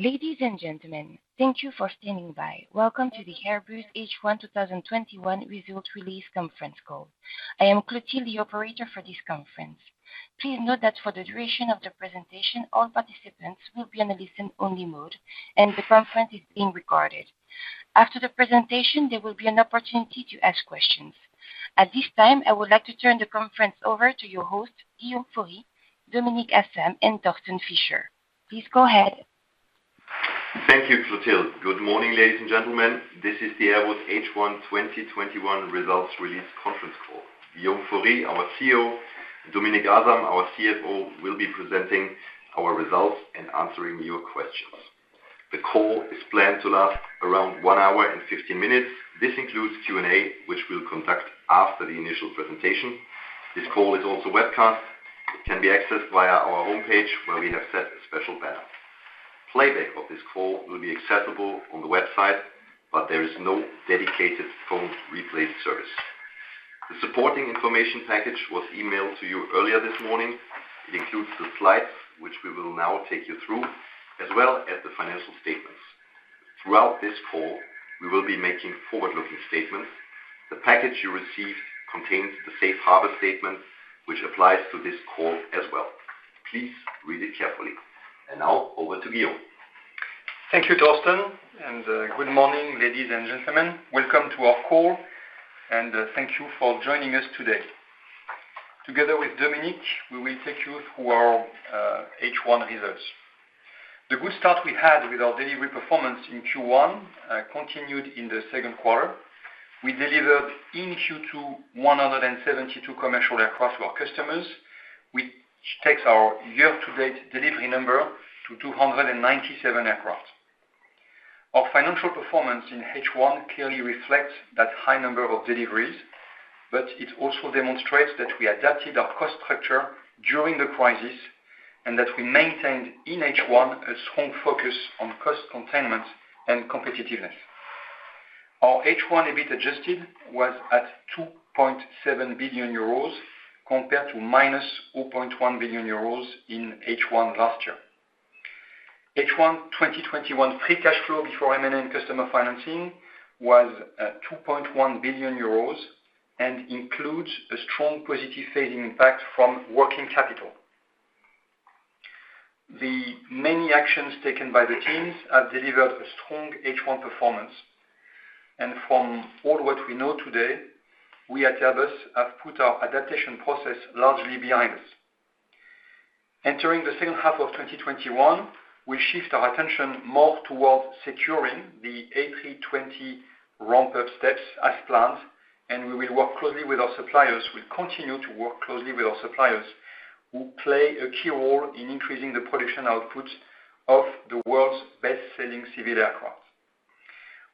Ladies and gentlemen, thank you for standing by. Welcome to the Airbus H1 2021 results release conference call. I am Clotilde, the operator for this conference. Please note that for the duration of the presentation, all participants will be on a listen-only mode, and the conference is being recorded. After the presentation, there will be an opportunity to ask questions. At this time, I would like to turn the conference over to your host, Guillaume Faury, Dominik Asam, and Thorsten Fischer. Please go ahead. Thank you, Clotilde. Good morning, ladies and gentlemen. This is the Airbus H1 2021 results release conference call. Guillaume Faury, our CEO, and Dominik Asam, our CFO, will be presenting our results and answering your questions. The call is planned to last around one hour and 15 minutes. This includes Q&A, which we'll conduct after the initial presentation. This call is also webcast. It can be accessed via our homepage, where we have set a special banner. Playback of this call will be accessible on the website. There is no dedicated phone replay service. The supporting information package was emailed to you earlier this morning. It includes the slides, which we will now take you through, as well as the financial statements. Throughout this call, we will be making forward-looking statements. The package you received contains the safe harbor statement, which applies to this call as well. Please read it carefully. Now, over to Guillaume. Thank you, Thorsten. Good morning, ladies and gentlemen. Welcome to our call. Thank you for joining us today. Together with Dominik, we will take you through our H1 results. The good start we had with our delivery performance in Q1 continued in the second quarter. We delivered in Q2 172 commercial aircraft to our customers, which takes our year-to-date delivery number to 297 aircraft. Our financial performance in H1 clearly reflects that high number of deliveries, but it also demonstrates that we adapted our cost structure during the crisis, and that we maintained in H1 a strong focus on cost containment and competitiveness. Our H1 EBIT adjusted was at 2.7 billion euros compared to minus 0.1 billion euros in H1 last year. H1 2021 free cash flow before M&A customer financing was at 2.1 billion euros and includes a strong positive phasing impact from working capital. The many actions taken by the teams have delivered a strong H1 performance. From all what we know today, we at Airbus have put our adaptation process largely behind us. Entering the second half of 2021, we shift our attention more towards securing the A320 ramp-up steps as planned. We will work closely with our suppliers. We'll continue to work closely with our suppliers, who play a key role in increasing the production output of the world's best-selling civil aircraft.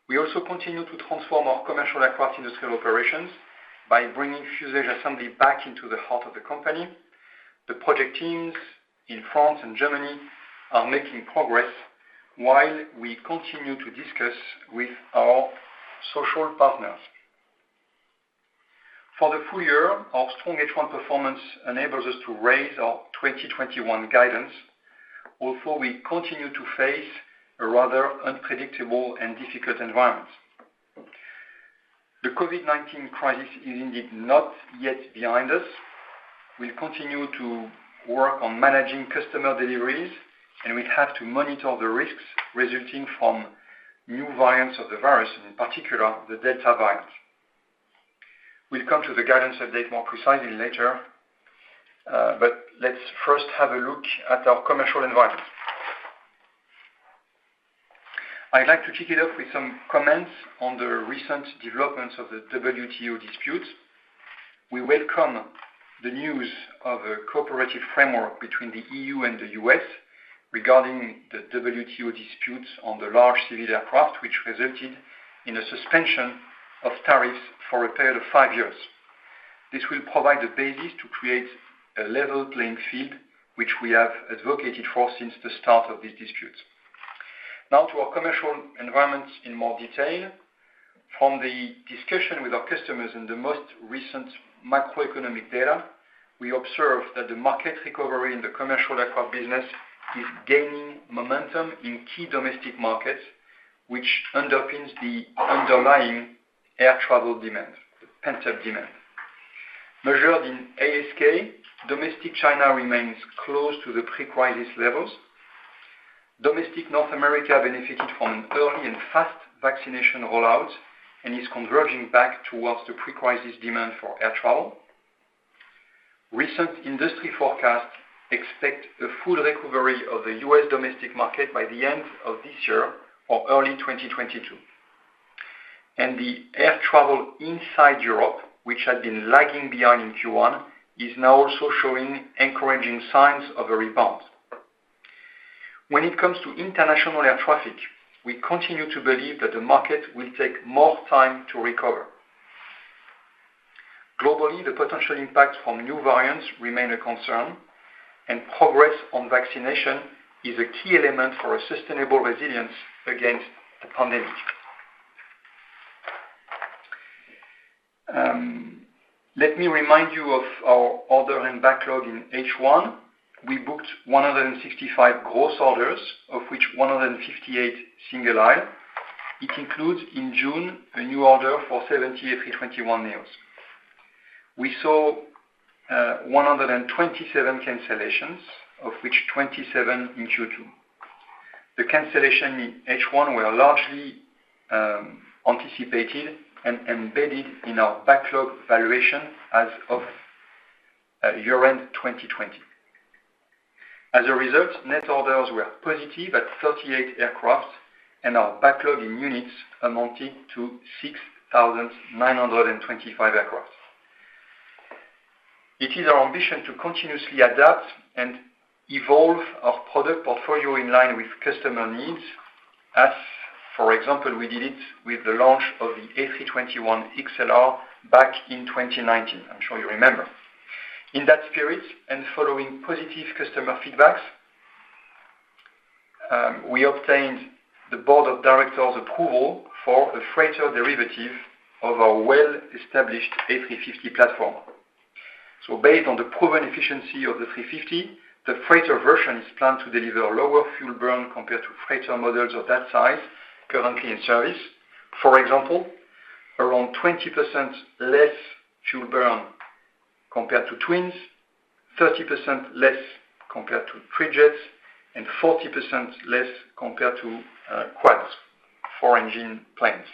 We also continue to transform our commercial aircraft industrial operations by bringing fuselage assembly back into the heart of the company. The project teams in France and Germany are making progress while we continue to discuss with our social partners. For the full year, our strong H1 performance enables us to raise our 2021 guidance, although we continue to face a rather unpredictable and difficult environment. The COVID-19 crisis is indeed not yet behind us. We'll continue to work on managing customer deliveries. We have to monitor the risks resulting from new variants of the virus, in particular, the Delta variant. We'll come to the guidance update more precisely later. Let's first have a look at our commercial environment. I'd like to kick it off with some comments on the recent developments of the WTO dispute. We welcome the news of a cooperative framework between the EU and the U.S. regarding the WTO disputes on the large civil aircraft, which resulted in a suspension of tariffs for a period of five years. This will provide a basis to create a level playing field, which we have advocated for since the start of these disputes. To our commercial environment in more detail. From the discussion with our customers in the most recent macroeconomic data, we observe that the market recovery in the commercial aircraft business is gaining momentum in key domestic markets, which underpins the underlying air travel demand, the pent-up demand. Measured in ASK, domestic China remains close to the pre-crisis levels. Domestic North America benefited from an early and fast vaccination rollout and is converging back towards the pre-crisis demand for air travel. Recent industry forecasts expect a full recovery of the U.S. domestic market by the end of this year or early 2022. The air travel inside Europe, which had been lagging behind in Q1, is now also showing encouraging signs of a rebound. When it comes to international air traffic, we continue to believe that the market will take more time to recover. Globally, the potential impact from new variants remain a concern, and progress on vaccination is a key element for a sustainable resilience against the pandemic. Let me remind you of our order and backlog in H1. We booked 165 gross orders, of which 158 single-aisle. It includes in June a new order for 70 A321neos. We saw 127 cancellations, of which 27 in Q2. The cancellation in H1 were largely anticipated and embedded in our backlog valuation as of year-end 2020. As a result, net orders were positive at 38 aircraft and our backlog in units amounted to 6,925 aircraft. It is our ambition to continuously adapt and evolve our product portfolio in line with customer needs. As for example, we did it with the launch of the A321XLR back in 2019. I'm sure you remember. In that spirit, following positive customer feedbacks, we obtained the board of directors approval for a freighter derivative of our well-established A350 platform. Based on the proven efficiency of the A350, the freighter version is planned to deliver lower fuel burn compared to freighter models of that size currently in service. For example, around 20% less fuel burn compared to twins, 30% less compared to tri-jets, and 40% less compared to quads, four-engine planes.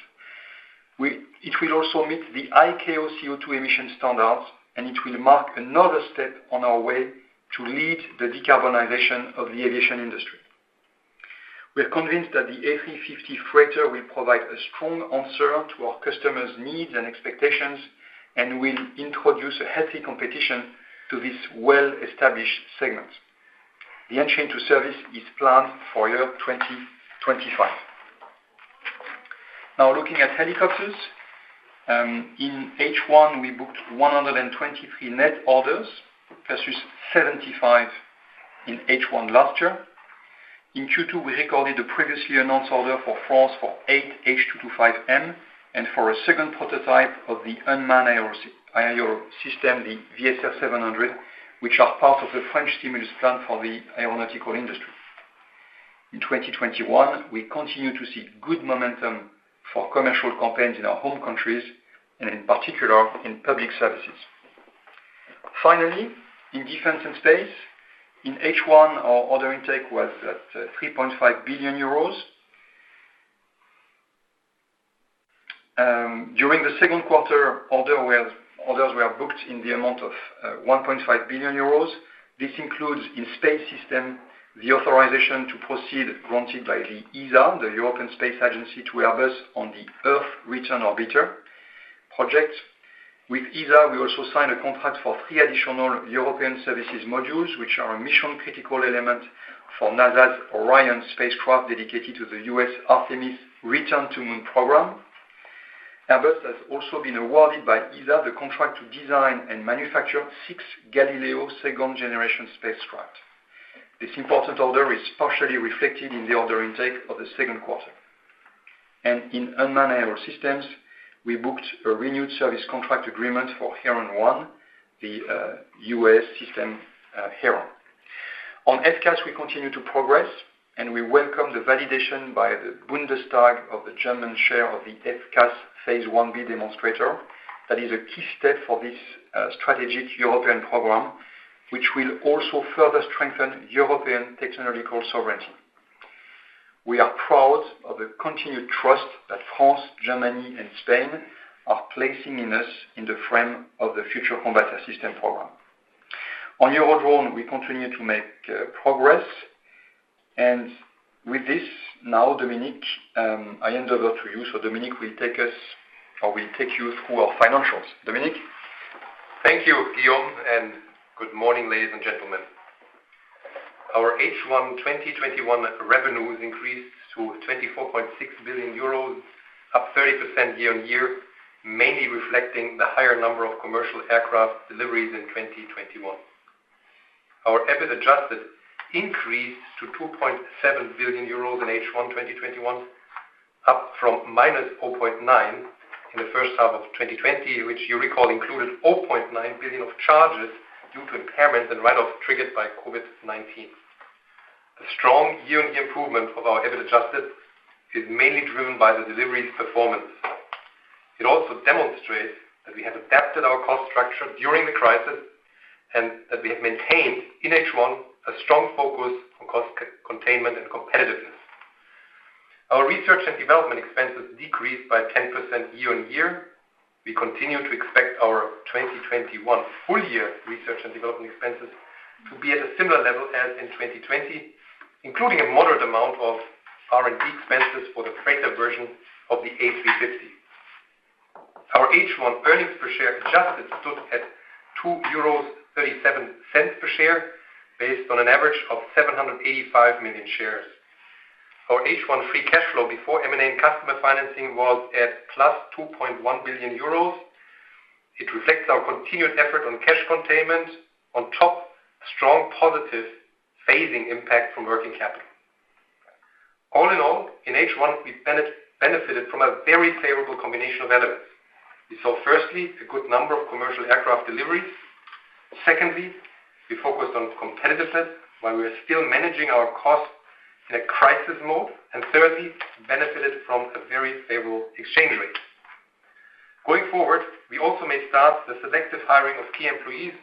It will also meet the ICAO CO2 emission standards, and it will mark another step on our way to lead the decarbonization of the aviation industry. We are convinced that the A350 freighter will provide a strong answer to our customers' needs and expectations and will introduce a healthy competition to this well-established segment. The entry into service is planned for year 2025. Looking at helicopters. In H1, we booked 123 net orders versus 75 in H1 last year. In Q2, we recorded the previously announced order for France for eight H225M and for a second prototype of the unmanned aerial system, the VSR700, which are part of the French stimulus plan for the aeronautical industry. In 2021, we continue to see good momentum for commercial campaigns in our home countries and in particular in public services. Finally, in defense and space, in H1 our order intake was at 3.5 billion euros. During the second quarter, orders were booked in the amount of 1.5 billion euros. This includes, in space system, the authorization to proceed granted by the ESA, the European Space Agency, to Airbus on the Earth Return Orbiter project. With ESA, we also signed a contract for three additional European Service Modules, which are a mission-critical element for NASA's Orion spacecraft dedicated to the U.S. Artemis return to Moon program. Airbus has also been awarded by ESA the contract to design and manufacture six Galileo second generation spacecraft. This important order is partially reflected in the order intake of the second quarter. In unmanned aerial systems, we booked a renewed service contract agreement for Heron 1, the UAS system. On FCAS, we continue to progress, and we welcome the validation by the Bundestag of the German share of the FCAS phase 1B demonstrator. That is a key step for this strategic European program, which will also further strengthen European technological sovereignty. We are proud of the continued trust that France, Germany, and Spain are placing in us in the frame of the Future Combat Air System program. On Eurodrone, we continue to make progress. With this, now, Dominik, I hand over to you. Dominik will take you through our financials. Dominik? Thank you, Guillaume, and good morning, ladies and gentlemen. Our H1 2021 revenues increased to 24.6 billion euros, up 30% year-on-year, mainly reflecting the higher number of commercial aircraft deliveries in 2021. Our EBIT adjusted increased to 2.7 billion euros in H1 2021, up from minus 0.9 in the first half of 2020, which you recall included 0.9 billion of charges due to impairment and write-offs triggered by COVID-19. The strong year-on-year improvement of our EBIT adjusted is mainly driven by the deliveries performance. It also demonstrates that we have adapted our cost structure during the crisis and that we have maintained in H1 a strong focus on cost containment and competitiveness. Our research and development expenses decreased by 10% year-on-year. We continue to expect our 2021 full year research and development expenses to be at a similar level as in 2020, including a moderate amount of R&D expenses for the freighter version of the A350. Our H1 earnings per share adjusted stood at 2.37 euros per share, based on an average of 785 million shares. Our H1 free cash flow before M&A and customer financing was at plus 2.1 billion euros. It reflects our continued effort on cash containment on top of strong positive phasing impact from working capital. All in all, in H1, we benefited from a very favorable combination of elements. We saw, firstly, a good number of commercial aircraft deliveries. Secondly, we focused on competitiveness while we are still managing our costs in a crisis mode. Thirdly, benefited from a very favorable exchange rate. Going forward, we also may start the selective hiring of key employees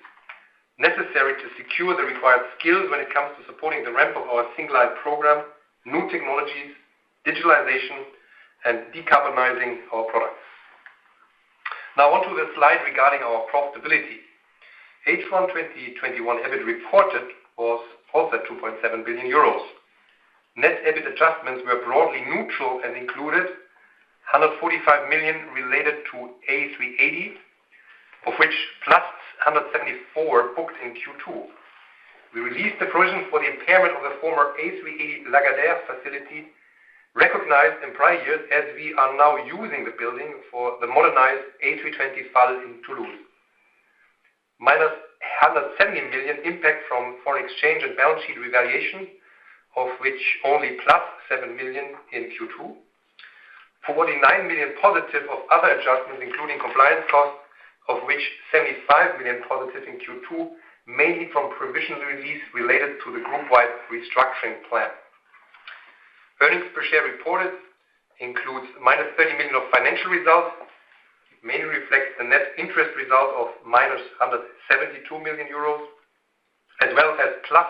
necessary to secure the required skills when it comes to supporting the ramp of our single-aisle program, new technologies, digitalization, and decarbonizing our products. Now on to the slide regarding our profitability. H1 2021 EBIT reported was also 2.7 billion euros. Net EBIT adjustments were broadly neutral and included 145 million related to A380, of which plus 174 booked in Q2. We released the provision for the impairment of the former A380 Lagardère facility recognized in prior years, as we are now using the building for the modernized A320 FAL in Toulouse. Minus 170 million impact from foreign exchange and balance sheet revaluation, of which only plus 7 million in Q2. 49 million positive of other adjustments, including compliance costs, of which 75 million positive in Q2, mainly from provision release related to the group-wide restructuring plan. Earnings per share reported includes minus 30 million of financial results. It mainly reflects the net interest result of minus 172 million euros, as well as plus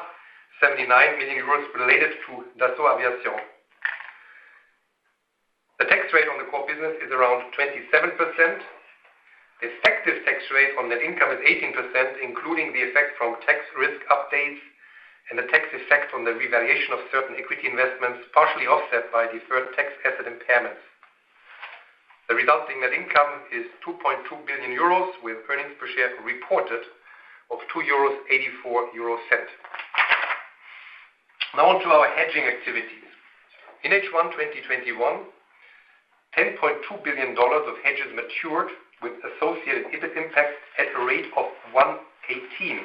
79 million euros related to Dassault Aviation. The tax rate on the core business is around 27%. Effective tax rate on net income is 18%, including the effect from tax risk updates and the tax effect on the revaluation of certain equity investments, partially offset by deferred tax asset impairments. The resulting net income is 2.2 billion euros, with earnings per share reported of 2.84 euros. On to our hedging activities. In H1 2021, $10.2 billion of hedges matured with associated EBIT impacts at a rate of 1.18.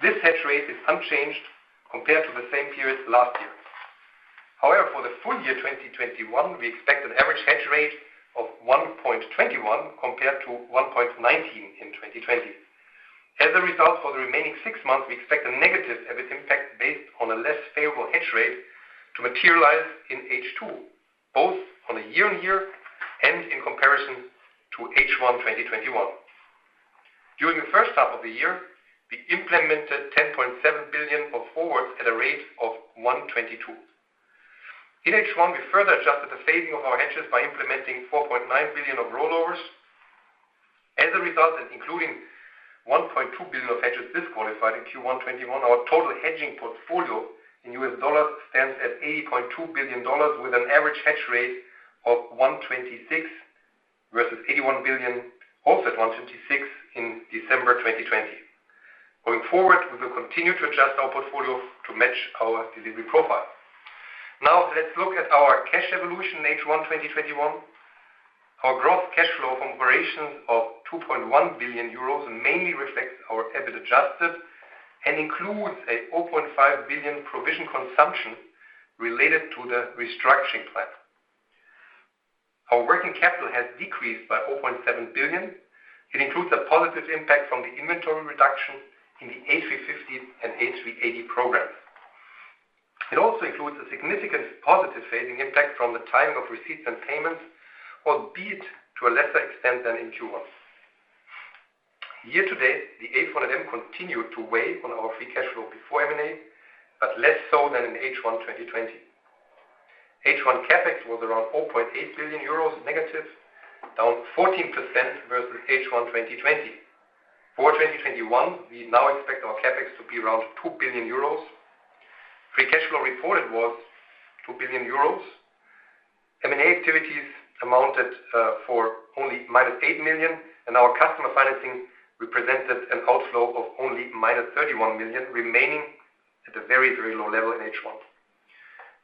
This hedge rate is unchanged compared to the same period last year. For the full year 2021, we expect an average hedge rate of 1.21 compared to 1.19 in 2020. For the remaining six months, we expect a negative EBIT impact based on a less favorable hedge rate to materialize in H2, both on a year-on-year and in comparison to H1 2021. During the first half of the year, we implemented 10.7 billion of forwards at a rate of 1.22. In H1, we further adjusted the phasing of our hedges by implementing 4.9 billion of rollovers. As a result, and including 1.2 billion of hedges disqualified in Q1 2021, our total hedging portfolio in US dollars stands at $80.2 billion, with an average hedge rate of 1.26 versus $81 billion, also at 1.26, in December 2020. Going forward, we will continue to adjust our portfolio to match our delivery profile. Now, let's look at our cash evolution in H1 2021. Our gross cash flow from operations of 2.1 billion euros mainly reflects our EBIT adjusted and includes a 0.5 billion provision consumption related to the restructuring plan. Our working capital has decreased by 0.7 billion. It includes a positive impact from the inventory reduction in the A350 and A380 programs. It also includes a significant positive phasing impact from the timing of receipts and payments, albeit to a lesser extent than in Q1. Year to date, the A400M continued to weigh on our free cash flow before M&A, but less so than in H1 2020. H1 CapEx was around €4.8 billion negative, down 14% versus H1 2020. For 2021, we now expect our CapEx to be around 2 billion euros. Free cash flow reported was 2 billion euros. M&A activities amounted for only minus 8 million, and our customer financing represented an outflow of only minus 31 million, remaining at a very, very low level in H1.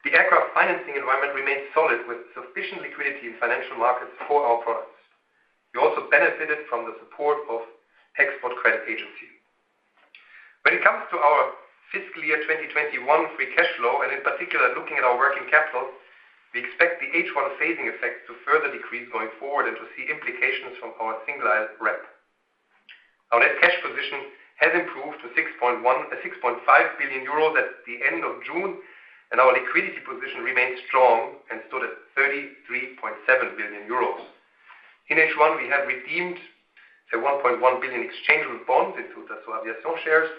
The aircraft financing environment remains solid, with sufficient liquidity in financial markets for our products. We also benefited from the support of Export Credit Agency. When it comes to our fiscal year 2021 free cash flow, and in particular looking at our working capital, we expect the H1 phasing effect to further decrease going forward and to see implications from our single-aisle ramp. Our net cash position has improved to 6.5 billion euros at the end of June, and our liquidity position remains strong and stood at 33.7 billion euros. In H1, we have redeemed a 1.1 billion exchangeable bond into Dassault Aviation shares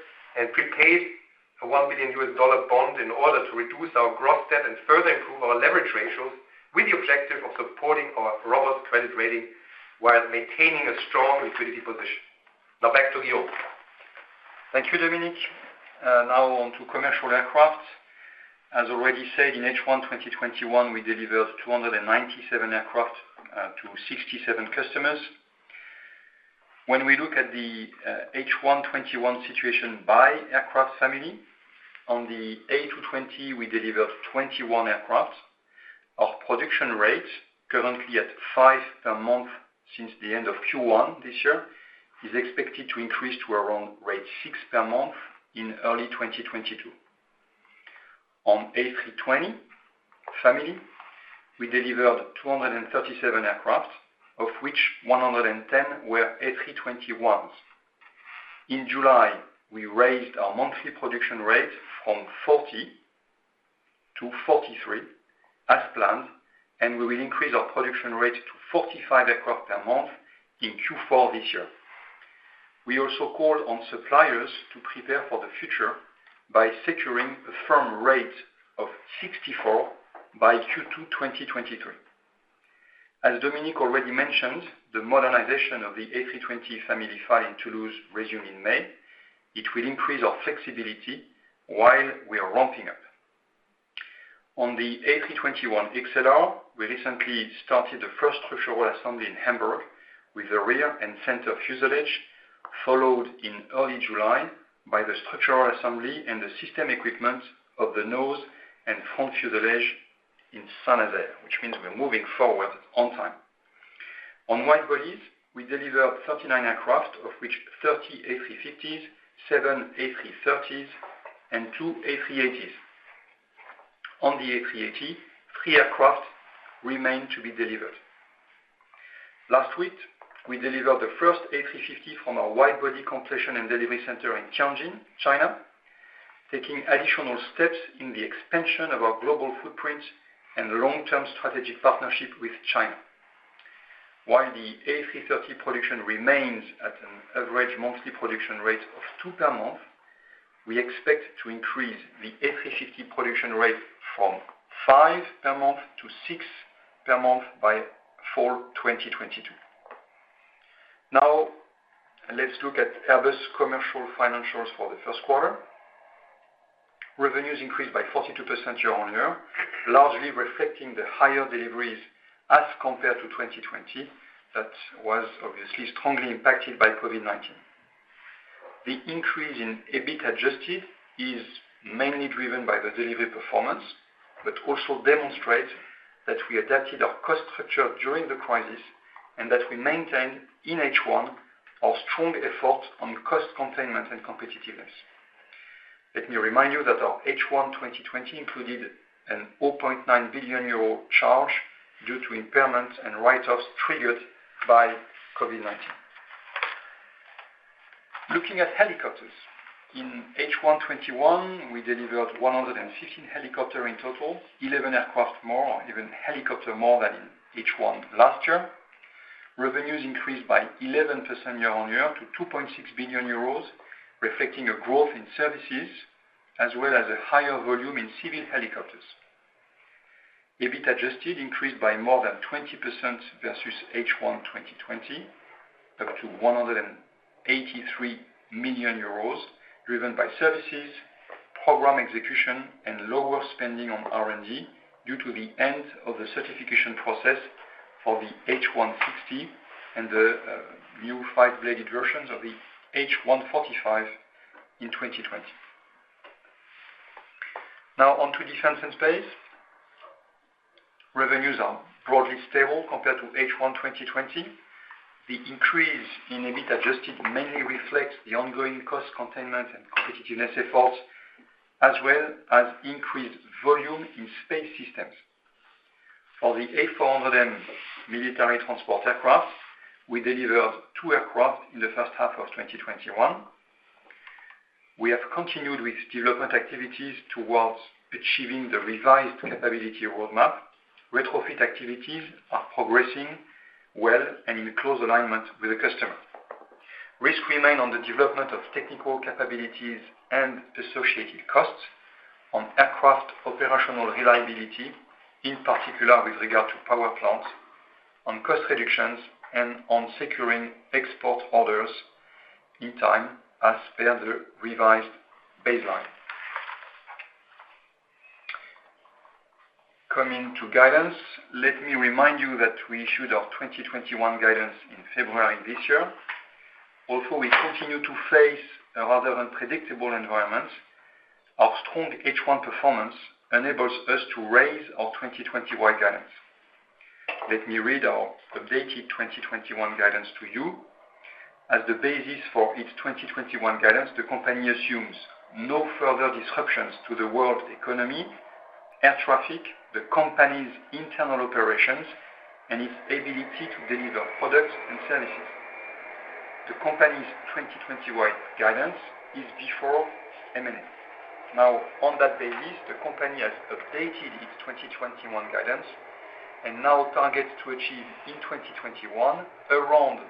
and prepaid a $1 billion bond in order to reduce our gross debt and further improve our leverage ratios with the objective of supporting our robust credit rating while maintaining a strong liquidity position. Back to Guillaume. Thank you, Dominik. Now on to commercial aircraft. As already said, in H1 2021, we delivered 297 aircraft to 67 customers. When we look at the H1 2021 situation by aircraft family, on the A220, we delivered 21 aircraft. Our production rate, currently at five per month since the end of Q1 this year, is expected to increase to around rate six per month in early 2022. On A320 family, we delivered 237 aircraft, of which 110 were A321s. In July, we raised our monthly production rate from 40-43 as planned, and we will increase our production rate to 45 aircraft per month in Q4 this year. We also called on suppliers to prepare for the future by securing a firm rate of 64 by Q2 2023. As Dominik already mentioned, the modernization of the A320 family in Toulouse resumed in May. It will increase our flexibility while we are ramping up. On the A321XLR, we recently started the first structural assembly in Hamburg with the rear and center fuselage, followed in early July by the structural assembly and the system equipment of the nose and front fuselage in Saint-Nazaire, which means we're moving forward on time. On wide-bodies, we delivered 39 aircraft, of which 30 A350s, seven A330s, and two A380s. On the A380, three aircraft remain to be delivered. Last week, we delivered the first A350 from our wide-body completion and delivery center in Tianjin, China, taking additional steps in the expansion of our global footprint and long-term strategic partnership with China. While the A330 production remains at an average monthly production rate of two per month, we expect to increase the A350 production rate from five per month to six per month by fall 2022. Let's look at Airbus Commercial financials for the first quarter. Revenues increased by 42% year-on-year, largely reflecting the higher deliveries as compared to 2020. That was obviously strongly impacted by COVID-19. The increase in EBIT adjusted is mainly driven by the delivery performance, but also demonstrates that we adapted our cost structure during the crisis and that we maintained in H1 our strong effort on cost containment and competitiveness. Let me remind you that our H1 2020 included an 0.9 billion euro charge due to impairments and write-offs triggered by COVID-19. Looking at helicopters. In H1 2021, we delivered 115 helicopter in total, 11 aircraft more or even helicopter more than in H1 last year. Revenues increased by 11% year-on-year to 2.6 billion euros, reflecting a growth in services as well as a higher volume in civil helicopters. EBIT adjusted increased by more than 20% versus H1 2020, up to 183 million euros, driven by services, program execution, and lower spending on R&D due to the end of the certification process for the H160 and the new five-bladed versions of the H145 in 2020. On to defense and space. Revenues are broadly stable compared to H1 2020. The increase in EBIT adjusted mainly reflects the ongoing cost containment and competitiveness efforts, as well as increased volume in space systems. For the A400M military transport aircraft, we delivered two aircraft in the first half of 2021. We have continued with development activities towards achieving the revised capability roadmap. Retrofit activities are progressing well and in close alignment with the customer. Risks remain on the development of technical capabilities and associated costs on aircraft operational reliability, in particular with regard to power plants, on cost reductions, and on securing export orders in time as per the revised baseline. Coming to guidance. Let me remind you that we issued our 2021 guidance in February this year. We continue to face a rather unpredictable environment. Our strong H1 performance enables us to raise our 2021 guidance. Let me read our updated 2021 guidance to you. As the basis for its 2021 guidance, the company assumes no further disruptions to the world economy, air traffic, the company's internal operations, and its ability to deliver products and services. The company's 2021 guidance is before M&A. On that basis, the company has updated its 2021 guidance and now targets to achieve in 2021 around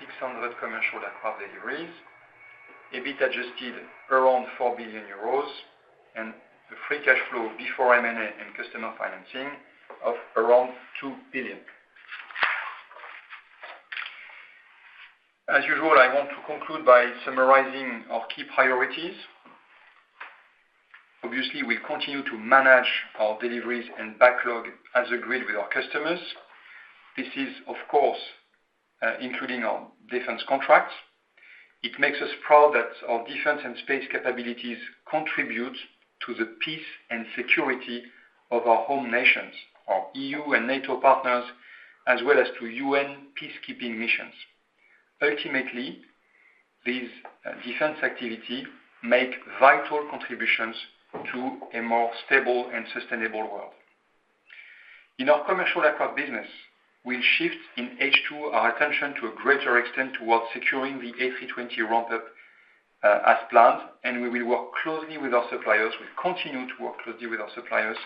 600 commercial aircraft deliveries, EBIT adjusted around 4 billion euros, and the free cash flow before M&A and customer financing of around 2 billion. As usual, I want to conclude by summarizing our key priorities. We continue to manage our deliveries and backlog as agreed with our customers. This is, of course, including our defense contracts. It makes us proud that our defense and space capabilities contribute to the peace and security of our home nations, our EU and NATO partners, as well as to UN peacekeeping missions. This defense activity make vital contributions to a more stable and sustainable world. In our commercial aircraft business, we'll shift in H2 our attention to a greater extent towards securing the A320 ramp-up as planned, and we will work closely with our suppliers. We'll continue to work closely with our suppliers,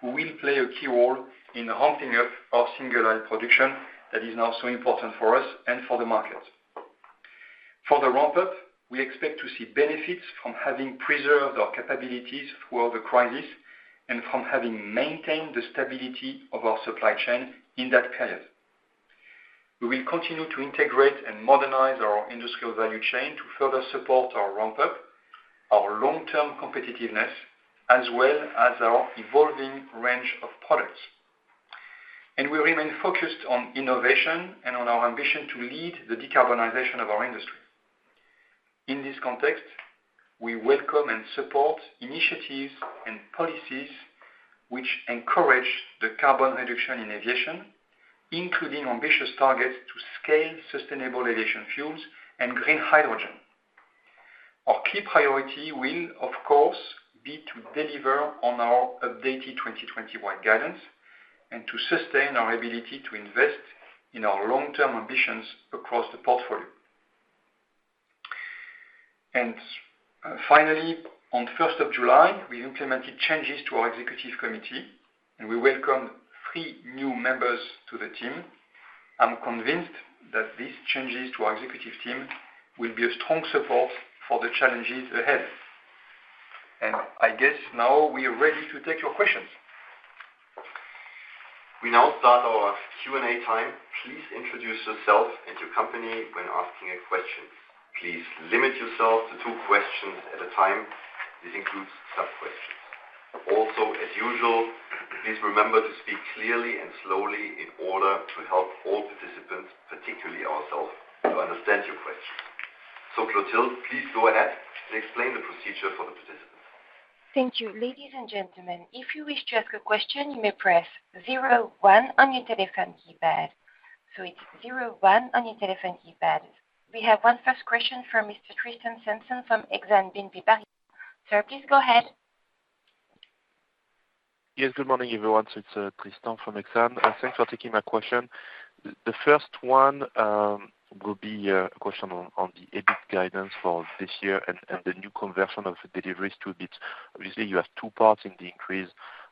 who will play a key role in the ramping up of single aisle production that is now so important for us and for the market. For the ramp-up, we expect to see benefits from having preserved our capabilities throughout the crisis and from having maintained the stability of our supply chain in that period. We will continue to integrate and modernize our industrial value chain to further support our ramp-up, our long-term competitiveness, as well as our evolving range of products. We remain focused on innovation and on our ambition to lead the decarbonization of our industry. In this context, we welcome and support initiatives and policies which encourage the carbon reduction in aviation, including ambitious targets to scale sustainable aviation fuels and green hydrogen. Our key priority will, of course, be to deliver on our updated 2021 guidance and to sustain our ability to invest in our long-term ambitions across the portfolio. Finally, on 1st of July, we implemented changes to our executive committee, and we welcome three new members to the team. I'm convinced that these changes to our executive team will be a strong support for the challenges ahead. I guess now we are ready to take your questions. We now start our Q&A time. Please introduce yourself and your company when asking a question. Please limit yourself to two questions at a time. This includes sub-questions. As usual, please remember to speak clearly and slowly in order to help all participants, particularly ourselves, to understand your question. Clotilde, please go ahead and explain the procedure for the participants. Thank you. Ladies and gentlemen, if you wish to ask a question, you may press zero one on your telephone keypad. So it's zero one on your telephone keypad. We have one first question from Mr. Tristan Sanson from Exane BNP Paribas. Sir, please go ahead. Yes, good morning, everyone. It's Tristan from Exane. Thanks for taking my question. The first one will be a question on the EBIT guidance for this year and the new conversion of deliveries to EBIT. Obviously, you have two parts in the increase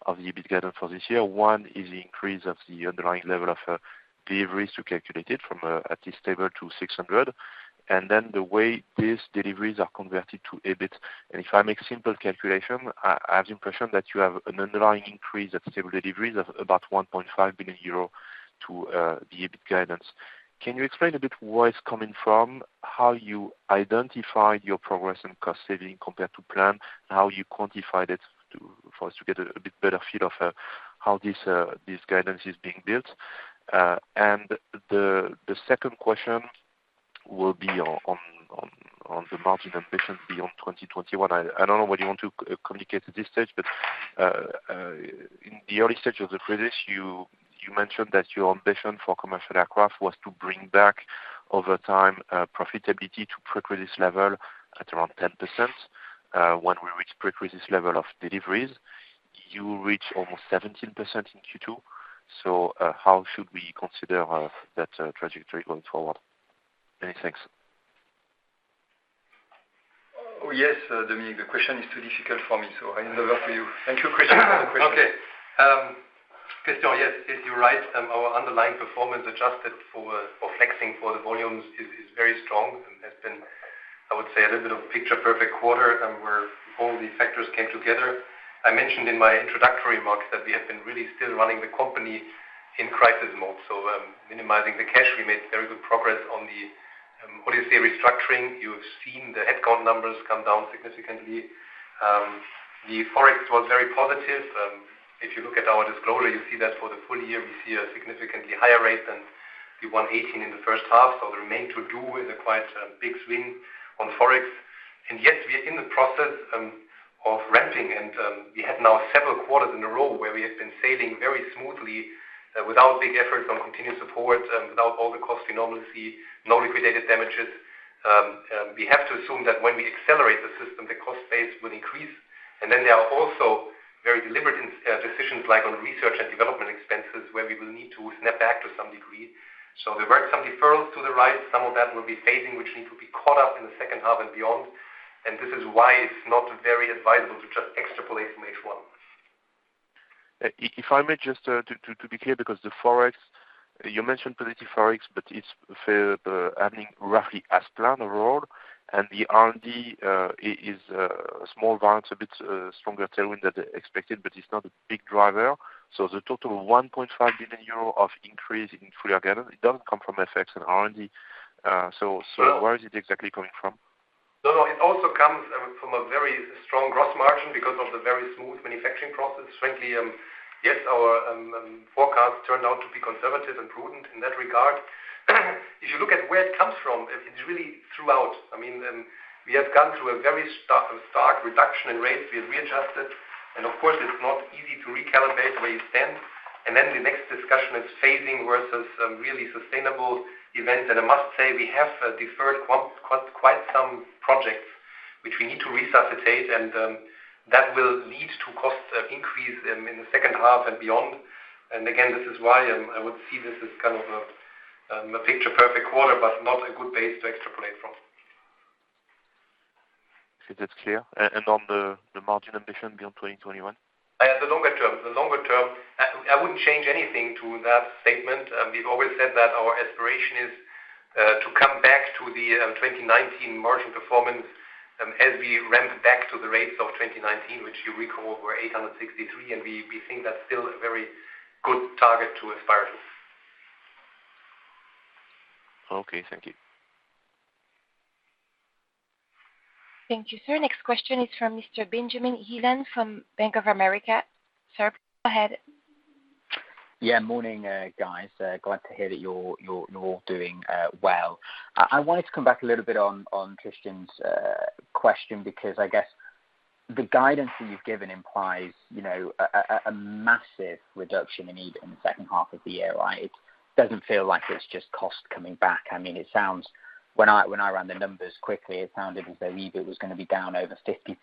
of the EBIT guidance for this year. One is the increase of the underlying level of deliveries you calculated from at this level to 600. And then the way these deliveries are converted to EBIT. And if I make a simple calculation, I have the impression that you have an underlying increase of several deliveries of about 1.5 billion euro to the EBIT guidance. Can you explain a bit where it's coming from, how you identified your progress and cost saving compared to plan, and how you quantified it for us to get a bit better feel of how this guidance is being built? The second question will be on the margin ambition beyond 2021. I don't know what you want to communicate at this stage. In the early stage of the crisis, you mentioned that your ambition for commercial aircraft was to bring back, over time, profitability to pre-crisis level at around 10%. When we reach pre-crisis level of deliveries, you reach almost 17% in Q2. How should we consider that trajectory going forward? Many thanks. Oh, yes, Dominik, the question is too difficult for me, so I hand over for you. Thank you, Tristan, for the question. Okay. Tristan, yes, you're right. Our underlying performance adjusted for flexing for the volumes is very strong and has been, I would say, a little bit of picture perfect quarter where all the factors came together. I mentioned in my introductory remarks that we have been really still running the company in crisis mode. Minimizing the cash, we made very good progress on the, what do you say, restructuring. You've seen the headcount numbers come down significantly. The Forex was very positive. If you look at our disclosure, you see that for the full year, we see a significantly higher rate than the 118 in the first half. There remained to do with a quite big swing on Forex. Yet we are in the process of ramping, and we had now several quarters in a row where we have been sailing very smoothly without big efforts on continued support, without all the costs we normally see, no liquidated damages. We have to assume that when we accelerate the system, the cost base will increase. Then there are also very deliberate decisions like on research and development expenses, where we will need to snap back to some degree. There were some deferrals to the right. Some of that will be phasing, which needs to be caught up in the second half and beyond. This is why it's not very advisable to just extrapolate from H1. If I may just to be clear, because the Forex, you mentioned positive Forex, but it's fair ending roughly as planned overall, and the R&D is a small variance, a bit stronger tailwind than expected, but it's not a big driver. The total of 1.5 billion euro of increase in full-year guidance, it doesn't come from FX and R&D. Where is it exactly coming from? It also comes from a very strong gross margin because of the very smooth manufacturing process. Frankly, yes, our forecast turned out to be conservative and prudent in that regard. If you look at where it comes from, it's really throughout. We have gone through a very stark reduction in rates. We have readjusted, and of course, it's not easy to recalibrate where you stand. Then the next discussion is phasing versus really sustainable events. I must say, we have deferred quite some projects, which we need to resuscitate, and that will lead to cost increase in the second half and beyond. Again, this is why I would see this as kind of a picture perfect quarter, but not a good base to extrapolate from. Is that clear? On the margin ambition beyond 2021? The longer term, I wouldn't change anything to that statement. We've always said that our aspiration is to come back to the 2019 margin performance as we ramp back to the rates of 2019, which you recall were 863, and we think that's still a very good target to aspire to. Okay. Thank you. Thank you, sir. Next question is from Mr. Benjamin Heelan from Bank of America. Sir, go ahead. Yeah. Morning, guys. Glad to hear that you're all doing well. I wanted to come back a little bit on Tristan's question because I guess the guidance that you've given implies a massive reduction in EBIT in the second half of the year, right? It doesn't feel like it's just cost coming back. It sounds, when I ran the numbers quickly, it sounded as though EBIT was going to be down over 50%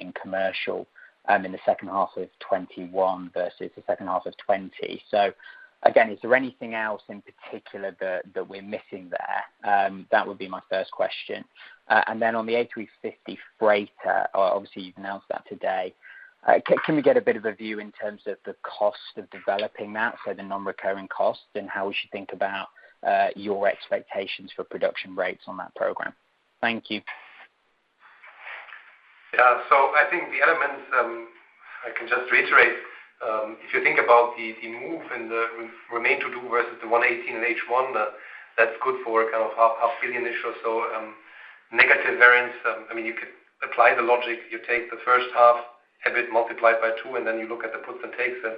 in commercial, in the second half of 2021 versus the second half of 2020. Again, is there anything else in particular that we're missing there? That would be my first question. Then on the A350 freighter, obviously you've announced that today. Can we get a bit of a view in terms of the cost of developing that, so the non-recurring costs, and how we should think about your expectations for production rates on that program? Thank you. Yeah. I think the elements, I can just reiterate. If you think about the move and the remain to do versus the 118 in H1, that's good for kind of half billion-ish or so. Negative variance, you could apply the logic. You take the first half, have it multiplied by two, you look at the puts and takes, the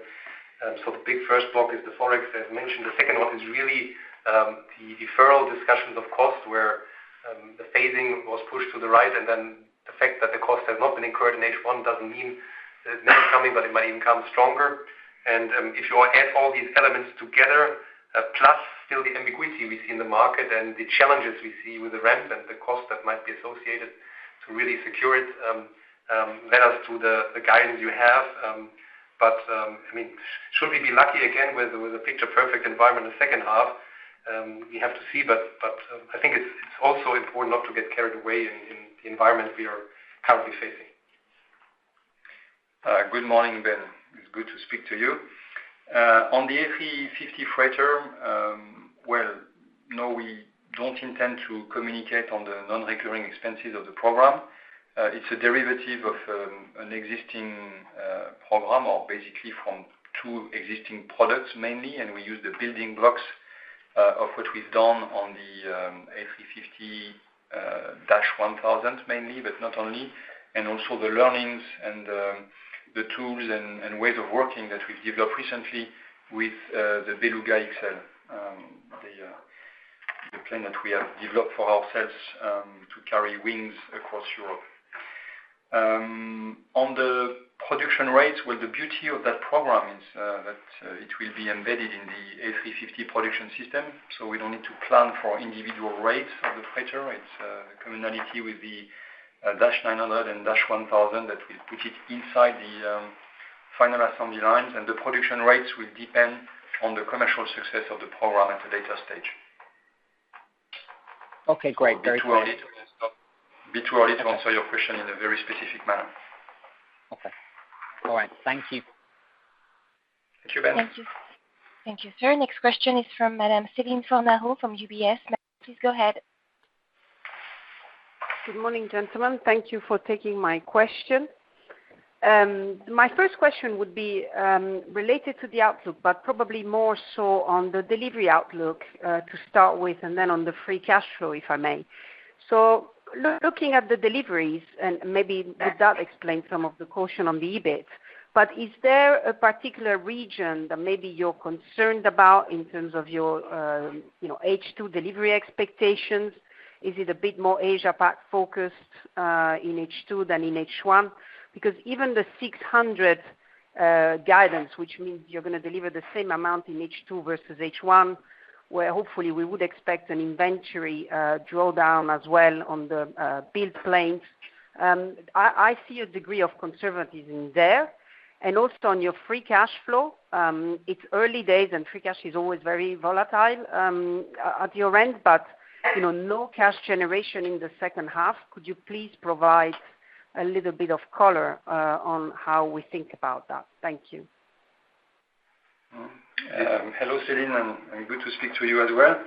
big first block is the ForEx as mentioned. The second one is really the deferral discussions of cost, where the phasing was pushed to the right, the fact that the cost has not been incurred in H1 doesn't mean it's not coming, but it might even come stronger. If you add all these elements together, plus still the ambiguity we see in the market and the challenges we see with the ramp and the cost that might be associated to really secure it, led us to the guidance you have. Should we be lucky again with a picture perfect environment in the second half, we have to see, but I think it's also important not to get carried away in the environment we are currently facing. Good morning, Ben. It's good to speak to you. On the A350 freighter, well, no, we don't intend to communicate on the non-recurring expenses of the program. It's a derivative of an existing program, or basically from two existing products mainly. We use the building blocks of what we've done on the A350-1000 mainly, but not only, and also the learnings and the tools and ways of working that we've developed recently with the BelugaXL, the plane that we have developed for ourselves to carry wings across Europe. On the production rates, well, the beauty of that program is that it will be embedded in the A350 production system. We don't need to plan for individual rates for the freighter. It's a commonality with the -900 and -1000 that we put it inside the Final Assembly Lines, and the production rates will depend on the commercial success of the program at a later stage. Okay, great. It would be too early to answer your question in a very specific manner. Okay. All right. Thank you. Thank you, Ben. Thank you. Thank you, sir. Next question is from Madame Celine Fornaro from UBS. Madame, please go ahead. Good morning, gentlemen. Thank you for taking my question. My first question would be related to the outlook, but probably more so on the delivery outlook to start with, and then on the free cash flow, if I may. Looking at the deliveries, and maybe that explains some of the caution on the EBIT, but is there a particular region that maybe you're concerned about in terms of your H2 delivery expectations? Is it a bit more Asia-PAC focused in H2 than in H1? Even the 600 guidance, which means you're going to deliver the same amount in H2 versus H1, where hopefully we would expect an inventory drawdown as well on the build planes. I see a degree of conservatism in there. It's early days, and free cash is always very volatile at your end, but low cash generation in the second half. Could you please provide a little bit of color on how we think about that? Thank you. Hello, Celine, good to speak to you as well.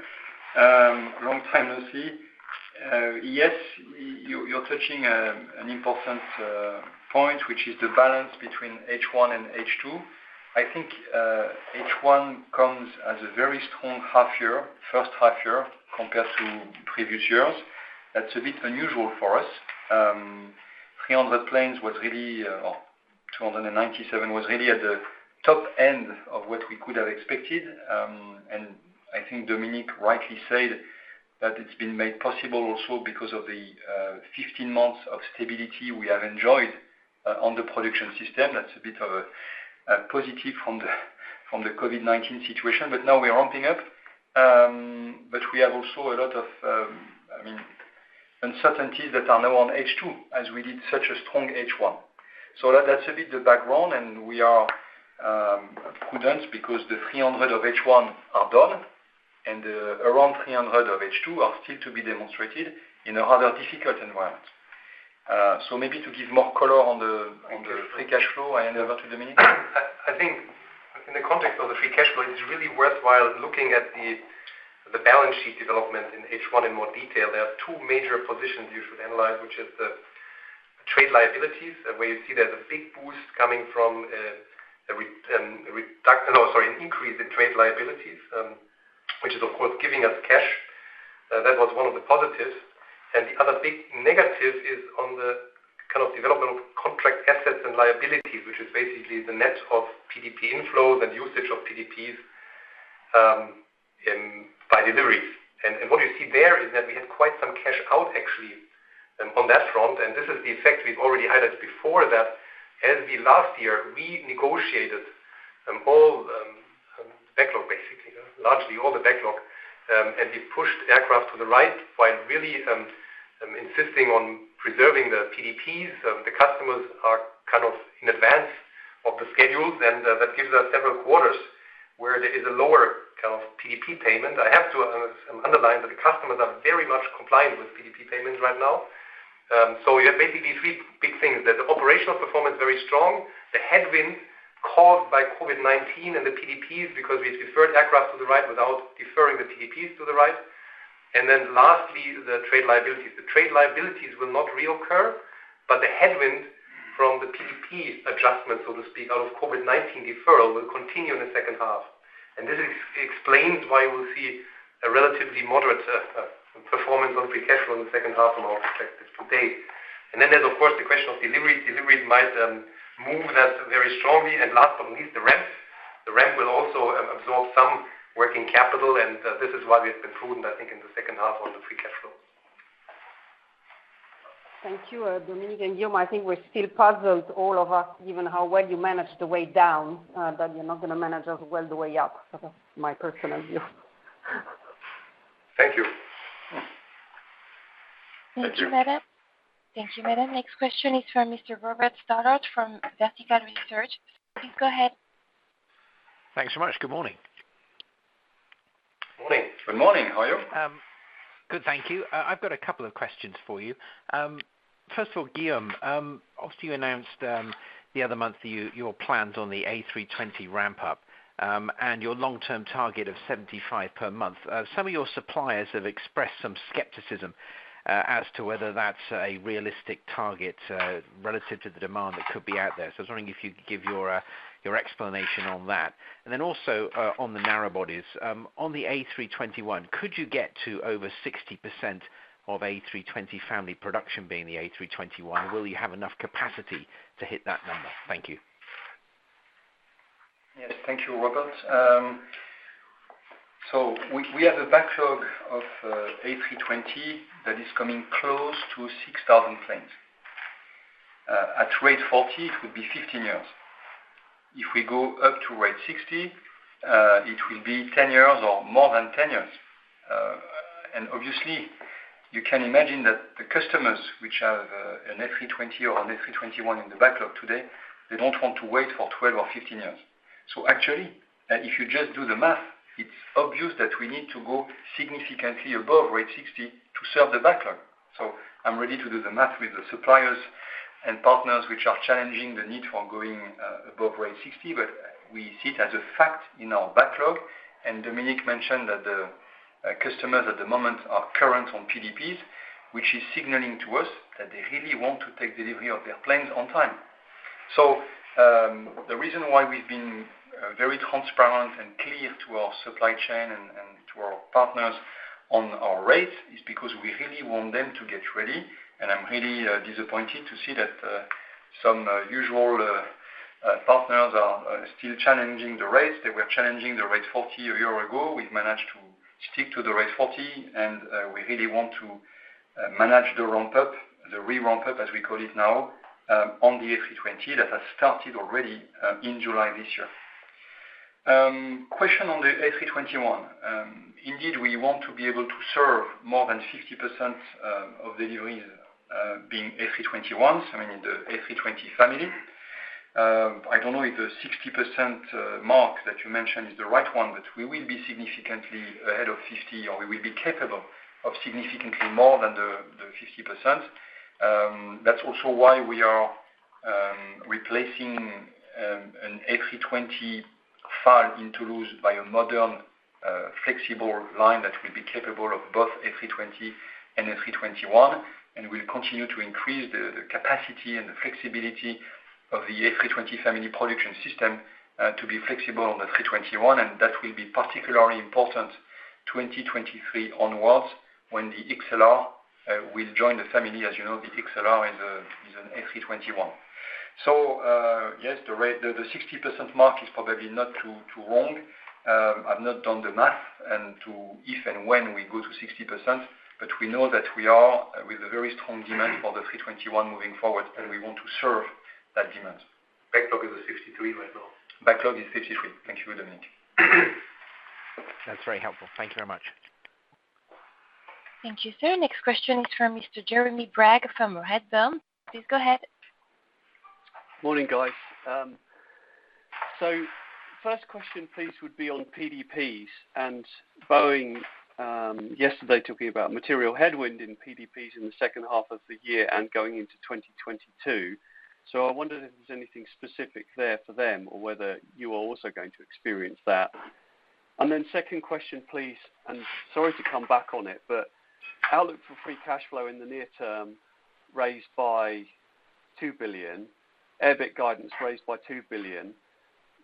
Long time no see. Yes, you're touching an important point, which is the balance between H1 and H2. I think H1 comes as a very strong first half year compared to previous years. That's a bit unusual for us. 300 planes, or 297, was really at the top end of what we could have expected. I think Dominik rightly said that it's been made possible also because of the 15 months of stability we have enjoyed on the production system. That's a bit of a positive from the COVID-19 situation. Now we are ramping up, but we have also a lot of uncertainties that are now on H2 as we did such a strong H1. That's a bit the background, and we are prudent because the 300 of H1 are done, and around 300 of H2 are still to be demonstrated in a rather difficult environment. Maybe to give more color on the free cash flow, I hand over to Dominik. I think in the context of the free cash flow, it's really worthwhile looking at the balance sheet development in H1 in more detail. There are two major positions you should analyze, which is the trade liabilities, where you see there's a big boost coming from a reduction, sorry, an increase in trade liabilities, which is of course giving us cash. That was one of the positives. The other big negative is on the kind of development of contract assets and liabilities, which is basically the net of PDP inflows and usage of PDPs by deliveries. What you see there is that we had quite some cash out actually on that front. This is the effect we've already highlighted before, that as the last year, we negotiated all backlog, basically. Largely all the backlog, we pushed aircraft to the right while really insisting on preserving the PDPs. The customers are kind of in advance of the schedules, that gives us several quarters where there is a lower kind of PDP payment. I have to underline that the customers are very much compliant with PDP payments right now. You have basically three big things there. The operational performance, very strong, the headwind caused by COVID-19 and the PDPs because we've deferred aircraft to the right without deferring the PDPs to the right. Lastly, the trade liabilities. The trade liabilities will not reoccur, the headwind from the PDP adjustment, so to speak, out of COVID-19 deferral will continue in the second half. This explains why we'll see a relatively moderate performance on free cash flow in the second half from our perspective to date. There's of course, the question of deliveries. Deliveries might move that very strongly. Last but not least, the ramp. The ramp will also absorb some working capital, and this is why we have been prudent, I think, in the second half on the free cash flow. Thank you, Dominik and Guillaume. I think we're still puzzled, all of us, given how well you managed the way down, that you're not going to manage as well the way up. That is my personal view. Thank you. Thank you. Thank you, madam. Next question is from Mr. Robert Stallard from Vertical Research. Please go ahead. Thanks so much. Good morning. Good morning. How are you? Good, thank you. I've got a couple of questions for you. First of all, Guillaume, obviously you announced the other month your plans on the A320 ramp-up, and your long-term target of 75 per month. Some of your suppliers have expressed some skepticism as to whether that's a realistic target relative to the demand that could be out there. I was wondering if you could give your explanation on that. Also on the narrow bodies, on the A321, could you get to over 60% of A320 family production being the A321? Will you have enough capacity to hit that number? Thank you. Yes. Thank you, Robert. We have a backlog of A320 that is coming close to 6,000 planes. At rate 40, it will be 15 years. If we go up to rate 60, it will be 10 years or more than 10 years. Obviously you can imagine that the customers which have an A320 or an A321 in the backlog today, they don't want to wait for 12 or 15 years. Actually, if you just do the math, it's obvious that we need to go significantly above rate 60 to serve the backlog. I'm ready to do the math with the suppliers and partners, which are challenging the need for going above rate 60. We see it as a fact in our backlog, and Dominik mentioned that the customers at the moment are current on PDPs, which is signaling to us that they really want to take delivery of their planes on time. The reason why we've been very transparent and clear to our supply chain and to our partners on our rate is because we really want them to get ready, and I'm really disappointed to see that some usual partners are still challenging the rates. They were challenging the rate 40 a year ago. We've managed to stick to the rate 40, and we really want to manage the ramp-up, the re-ramp-up, as we call it now, on the A320 that has started already in July this year. Question on the A321. Indeed, we want to be able to serve more than 50% of deliveries being A321s. I mean, the A320 family. I don't know if the 60% mark that you mentioned is the right one, but we will be significantly ahead of 50, or we will be capable of significantly more than the 50%. That's also why we are replacing an A320 FAL in Toulouse by a modern, flexible line that will be capable of both A320 and A321, and will continue to increase the capacity and the flexibility of the A320 family production system to be flexible on the A321, and that will be particularly important 2023 onwards, when the XLR will join the family. As you know, the XLR is an A321. Yes, the 60% mark is probably not too wrong. I've not done the math and to if and when we go to 60%, but we know that we are with a very strong demand for the 321 moving forward, and we want to serve that demand. Backlog is at 63 right now. Backlog is 63. Thank you, Dominik. That's very helpful. Thank you very much. Thank you, sir. Next question is from Mr. Jeremy Bragg from Redburn. Please go ahead. Morning, guys. First question, please, would be on PDPs and Boeing yesterday talking about material headwind in PDPs in the second half of the year and going into 2022. Second question, please, and sorry to come back on it, outlook for free cash flow in the near term raised by 2 billion, EBIT guidance raised by 2 billion.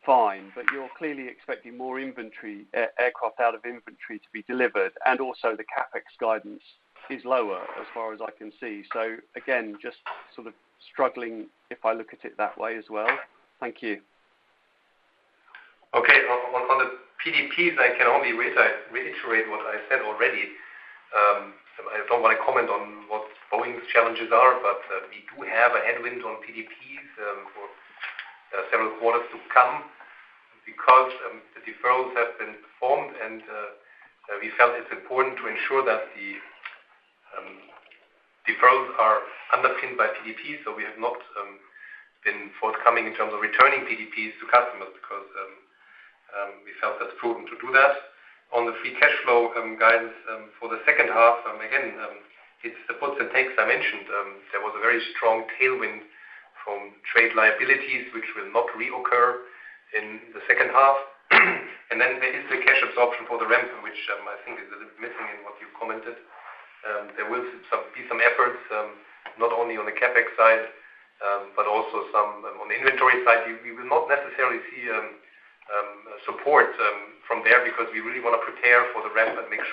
Fine, you're clearly expecting more aircraft out of inventory to be delivered, and also the CapEx guidance is lower as far as I can see. Again, just sort of struggling if I look at it that way as well. Thank you. On the PDPs, I can only reiterate what I said already. I don't want to comment on what Boeing's challenges are. We do have a headwind on PDPs for several quarters to come because the deferrals have been performed. We felt it's important to ensure that the deferrals are underpinned by PDPs. We have not been forthcoming in terms of returning PDPs to customers because we felt that's prudent to do that. On the free cash flow guidance for the second half, again, it's the puts and takes I mentioned. There was a very strong tailwind from trade liabilities, which will not reoccur in the second half. There is the cash absorption for the ramp, which I think is a bit missing in what you commented. There will be some efforts, not only on the CapEx side, but also some on the inventory side. We will not necessarily see support from there because we really want to prepare for the ramp and make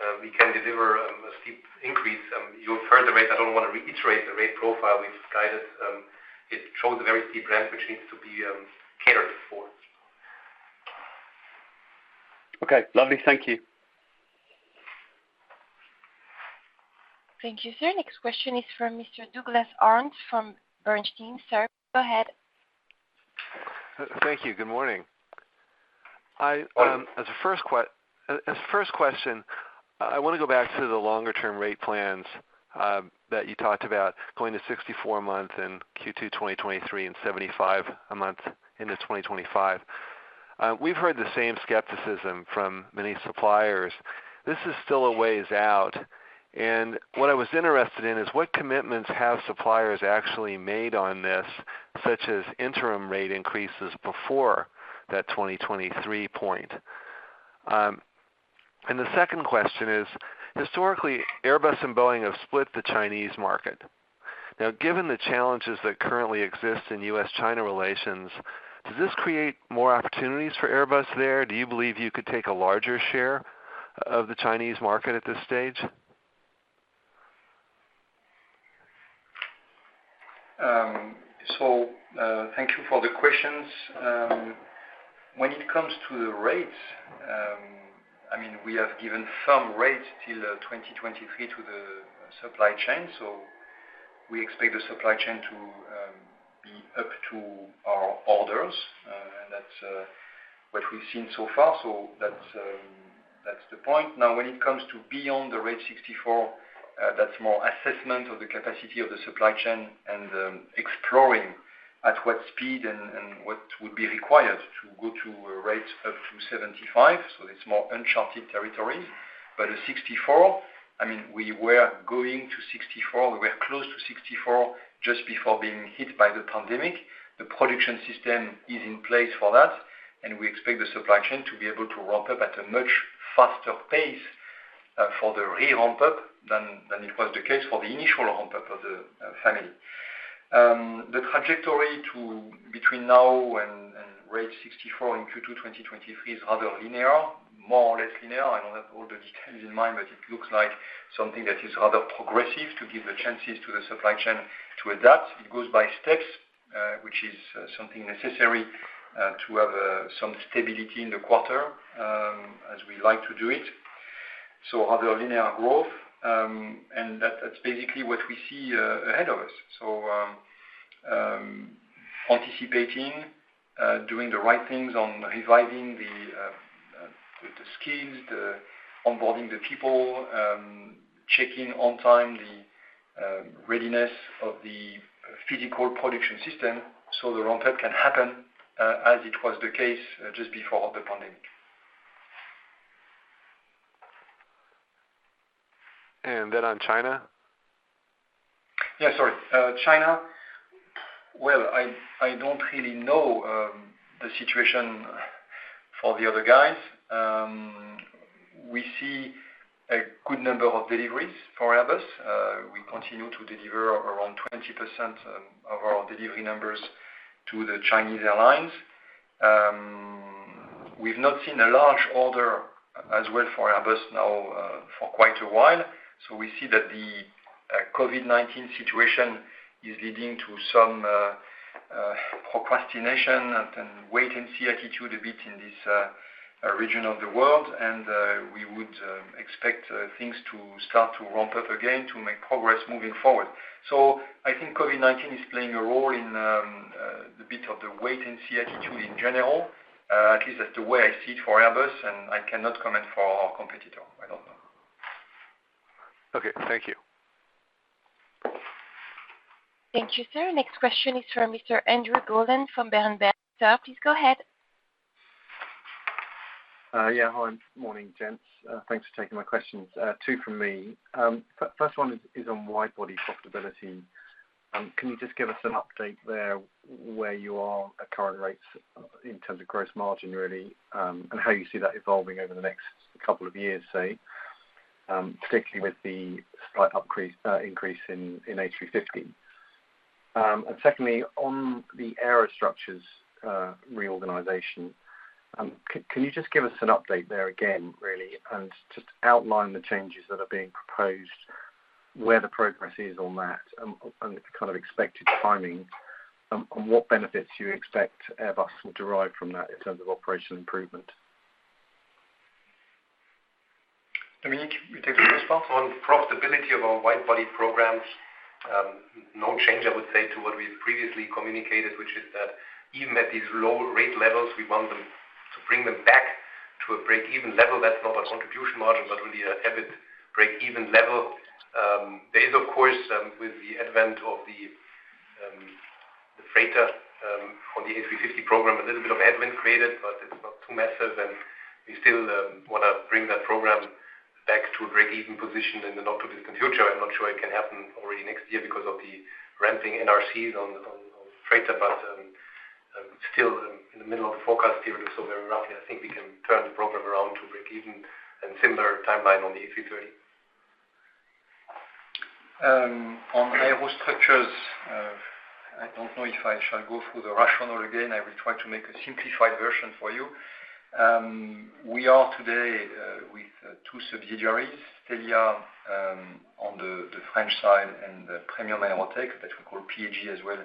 sure that we can deliver a steep increase. You have heard the rate. I don't want to reiterate the rate profile we've guided. It shows a very steep ramp, which needs to be catered for. Okay, lovely. Thank you. Thank you, sir. Next question is from Mr. Douglas Harned from Bernstein. Sir, go ahead. Thank you. Good morning. Morning. As a first question, I want to go back to the longer-term rate plans that you talked about going to 64 a month in Q2 2023 and 75 a month into 2025. We've heard the same skepticism from many suppliers. This is still a ways out, and what I was interested in is what commitments have suppliers actually made on this, such as interim rate increases before that 2023 point? The second question is, historically, Airbus and Boeing have split the Chinese market. Now, given the challenges that currently exist in U.S.-China relations, does this create more opportunities for Airbus there? Do you believe you could take a larger share of the Chinese market at this stage? Thank you for the questions. When it comes to the rates, we have given firm rates till 2023 to the supply chain. We expect the supply chain to be up to our orders, and that's what we've seen so far. That's the point. Now, when it comes to beyond the rate 64, that's more assessment of the capacity of the supply chain and exploring at what speed and what would be required to go to a rate up to 75. It's more uncharted territory. A 64, we were going to 64. We were close to 64 just before being hit by the pandemic. The production system is in place for that, and we expect the supply chain to be able to ramp up at a much faster pace for the re-ramp up than it was the case for the initial ramp up of the family. The trajectory between now and rate 64 in Q2 2023 is rather linear, more or less linear. I don't have all the details in mind, but it looks like something that is rather progressive to give the chances to the supply chain to adapt. It goes by steps, which is something necessary, to have some stability in the quarter, as we like to do it. Rather linear growth, and that's basically what we see ahead of us. Anticipating, doing the right things on reviving the skills, the onboarding the people, checking on time the readiness of the physical production system so the ramp up can happen as it was the case just before the pandemic. On China? Yeah, sorry. China. Well, I don't really know the situation for the other guys. We see a good number of deliveries for Airbus. We continue to deliver around 20% of our delivery numbers to the Chinese airlines. We've not seen a large order as well for Airbus now for quite a while. We see that the COVID-19 situation is leading to some procrastination and wait-and-see attitude a bit in this region of the world. We would expect things to start to ramp up again to make progress moving forward. I think COVID-19 is playing a role in the bit of the wait-and-see attitude in general. At least that's the way I see it for Airbus, and I cannot comment for our competitor. I don't know. Okay. Thank you. Thank you, sir. Next question is from Mr. Andrew Gollan from Berenberg. Sir, please go ahead. Hi. Morning, gents. Thanks for taking my questions. Two from me. First one is on wide-body profitability. Can you just give us an update there, where you are at current rates in terms of gross margin, really, and how you see that evolving over the next couple of years, say, particularly with the slight increase in A350? Secondly, on the aerostructures reorganization, can you just give us an update there again, really, and just outline the changes that are being proposed, where the progress is on that, and the kind of expected timing, and what benefits you expect Airbus will derive from that in terms of operational improvement? Dominik, you take the first part? On profitability of our wide-body programs, no change, I would say, to what we've previously communicated, which is that even at these low rate levels, we want to bring them back to a break-even level. That's not a contribution margin, but really an EBIT break-even level. There is, of course, with the advent of the freighter on the A350 program, a little bit of headwind created, but it's not too massive, and we still want to bring that program back to a break-even position in the not-too-distant future. I'm not sure it can happen already next year because of the ramping NRCs on freighter, but still in the middle of the forecast period, so very roughly, I think we can turn the program around to break even and similar timeline on the A330. On aerostructures, I don't know if I shall go through the rationale again. I will try to make a simplified version for you. We are today with two subsidiaries, STELIA on the French side and Premium AEROTEC, that we call PAG as well,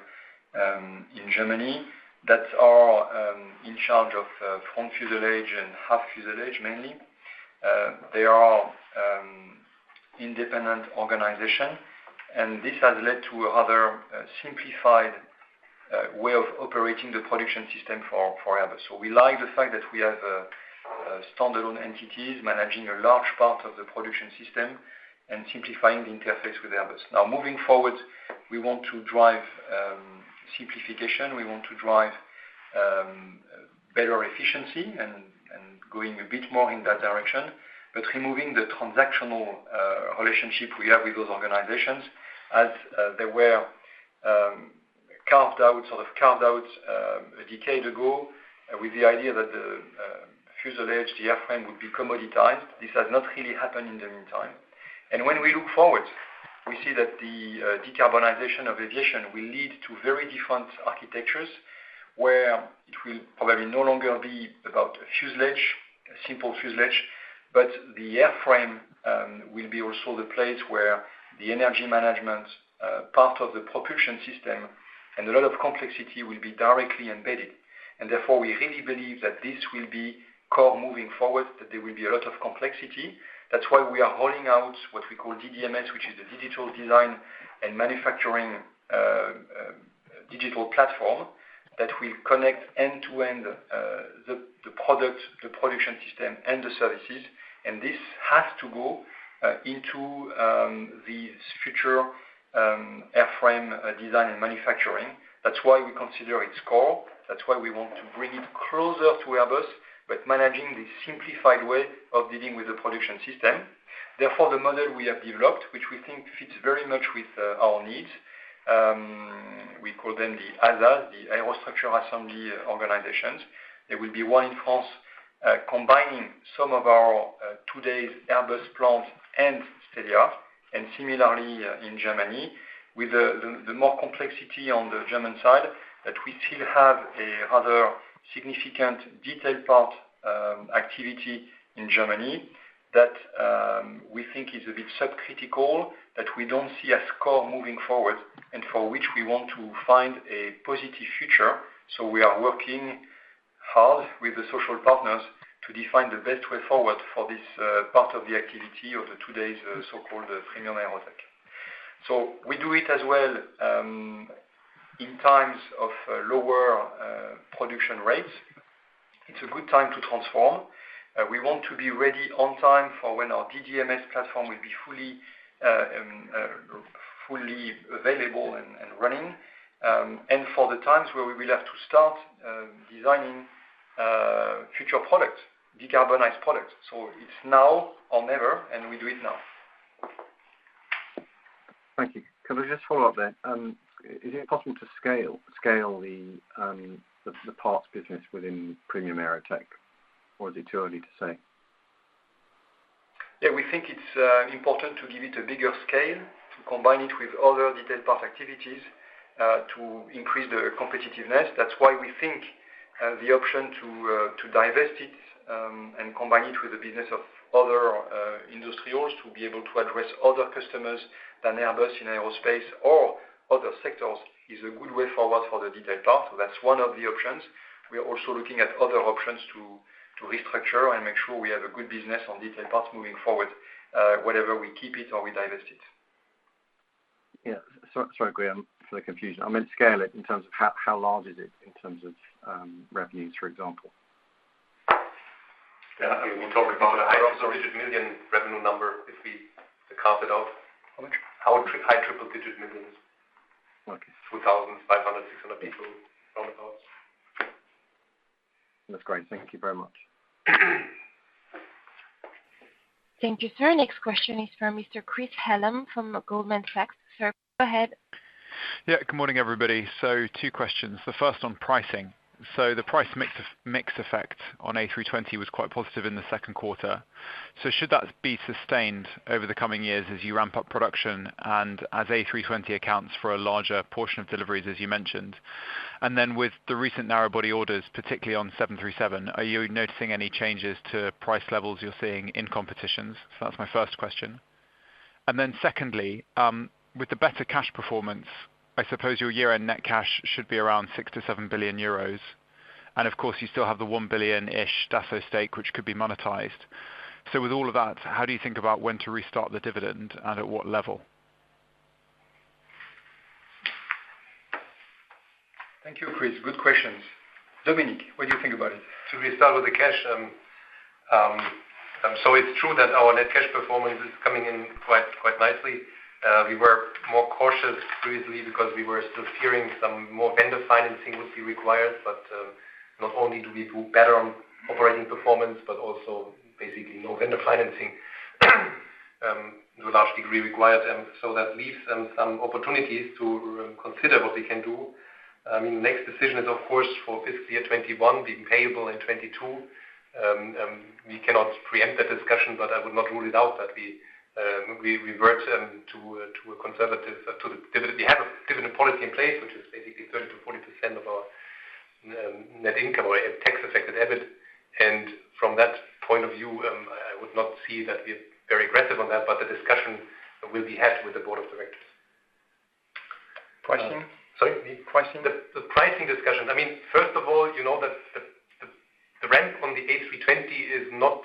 in Germany, that are in charge of front fuselage and half fuselage, mainly. They are independent organization, and this has led to a rather simplified way of operating the production system for Airbus. We like the fact that we have standalone entities managing a large part of the production system and simplifying the interface with Airbus. Now moving forward, we want to drive simplification. We want to drive better efficiency and going a bit more in that direction. Removing the transactional relationship we have with those organizations as they were sort of carved out a decade ago with the idea that the fuselage, the airframe, would be commoditized. This has not really happened in the meantime. When we look forward, we see that the decarbonization of aviation will lead to very different architectures, where it will probably no longer be about a fuselage, a simple fuselage, but the airframe will be also the place where the energy management part of the propulsion system and a lot of complexity will be directly embedded. Therefore, we really believe that this will be core moving forward, that there will be a lot of complexity. That's why we are rolling out what we call DDMS, which is a digital design and manufacturing digital platform that will connect end to end the product, the production system, and the services. This has to go into the future airframe design and manufacturing. That's why we consider it core. That's why we want to bring it closer to Airbus, but managing this simplified way of dealing with the production system. Therefore, the model we have developed, which we think fits very much with our needs, we call them the ASA, the Aerostructure Assembly organizations. There will be one in France combining some of our today's Airbus plants and STELIA, and similarly in Germany, with the more complexity on the German side, that we still have a rather significant detailed part activity in Germany that we think is a bit subcritical, that we don't see as core moving forward, and for which we want to find a positive future. We are working hard with the social partners to define the best way forward for this part of the activity of the today's so-called Premium AEROTEC. We do it as well in times of lower production rates. It's a good time to transform. We want to be ready on time for when our DDMS platform will be fully available and running, and for the times where we will have to start designing future products, decarbonized products. It's now or never, and we do it now. Thank you. Can I just follow up there? Is it possible to scale the parts business within Premium AEROTEC, or is it too early to say? We think it's important to give it a bigger scale, to combine it with other detailed part activities to increase the competitiveness. That's why we think the option to divest it and combine it with the business of other industrials to be able to address other customers than Airbus in aerospace or other sectors is a good way forward for the detailed part. That's one of the options. We are also looking at other options to restructure and make sure we have a good business on detailed parts moving forward, whether we keep it or we divest it. Yeah. Sorry, Guillaume, for the confusion. I meant scale it in terms of how large is it in terms of revenues, for example? Yeah. We're talking about 100 million revenue number if we carve it out. How much? High triple digit millions. Okay. 2,500, 600 people around about. That's great. Thank you very much. Thank you, sir. Next question is from Mr. Chris Hallam from Goldman Sachs. Sir, go ahead. Yeah. Good morning, everybody. Two questions. The first on pricing. The price mix effect on A320 was quite positive in the second quarter. Should that be sustained over the coming years as you ramp up production and as A320 accounts for a larger portion of deliveries, as you mentioned? With the recent narrow body orders, particularly on 737, are you noticing any changes to price levels you're seeing in competitions? That's my first question. Secondly, with the better cash performance, I suppose your year-end net cash should be around 6 billion-7 billion euros. Of course, you still have the 1 billion-ish Dassault stake, which could be monetized. With all of that, how do you think about when to restart the dividend and at what level? Thank you, Chris. Good questions. Dominik, what do you think about it? Should we start with the cash? It's true that our net cash performance is coming in quite nicely. We were more cautious previously because we were still fearing some more vendor financing would be required, but not only do we do better on operating performance, but also basically no vendor financing to a large degree required. That leaves some opportunities to consider what we can do. Next decision is of course for fiscal year 2021, being payable in 2022. We cannot preempt that discussion, but I would not rule it out that we revert to a conservative dividend. We have a dividend policy in place, which is basically 30%-40% of our net income or tax affected EBIT. From that point of view, I would not see that we're very aggressive on that, but the discussion will be had with the board of directors. Pricing? Sorry? The pricing. The pricing discussions. First of all, you know that the ramp on the A320 is not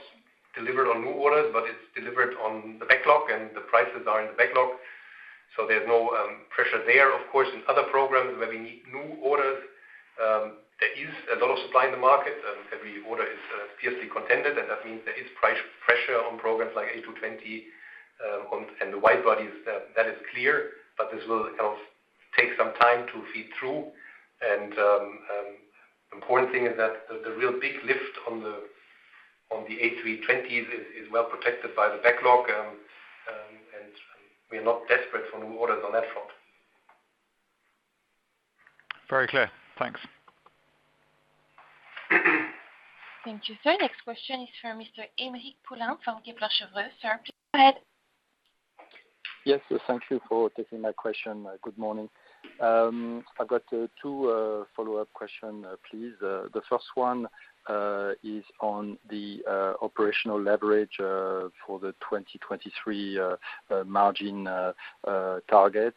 delivered on new orders, but it's delivered on the backlog and the prices are in the backlog. There's no pressure there. Of course, in other programs where we need new orders, there is a lot of supply in the market. Every order is fiercely contended. That means there is price pressure on programs like A220 and the wide bodies. That is clear. This will take some time to feed through. Important thing is that the real big lift on the A320 is well protected by the backlog. We are not desperate for new orders on that front. Very clear. Thanks. Thank you, sir. Next question is for Mr. Aymeric Poulain from Kepler Cheuvreux. Sir, please go ahead. Yes, thank you for taking my question. Good morning. I've got two follow-up question, please. The first one is on the operational leverage for the 2023 margin target.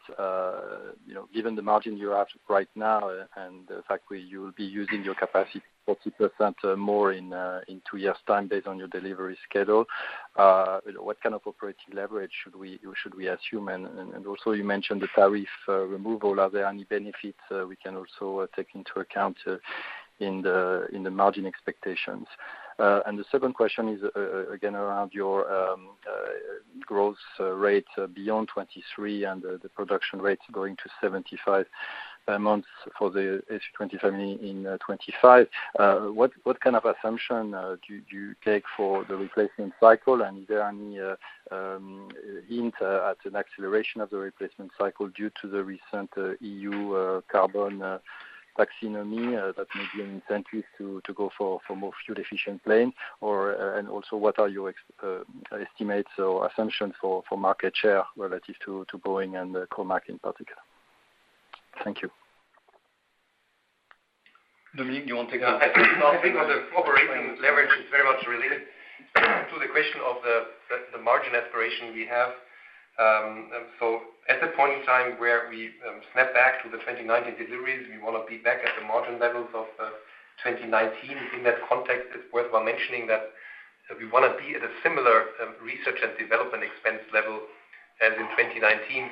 Given the margin you have right now and the fact where you will be using your capacity 40% more in two years time based on your delivery schedule, what kind of operating leverage should we assume? Also, you mentioned the tariff removal. Are there any benefits we can also take into account in the margin expectations? The second question is, again, around your growth rate beyond 2023 and the production rates going to 75 a month for the A320 family in 2025. What kind of assumption do you take for the replacement cycle and is there any hint at an acceleration of the replacement cycle due to the recent EU carbon Taxonomy that may be an incentive to go for more fuel-efficient plane? Also, what are your estimates or assumptions for market share relative to Boeing and COMAC in particular? Thank you. Dominik, you want to take that? I think the operating leverage is very much related to the question of the margin aspiration we have. At that point in time where we snap back to the 2019 deliveries, we want to be back at the margin levels of 2019. In that context, it's worthwhile mentioning that we want to be at a similar research and development expense level as in 2019.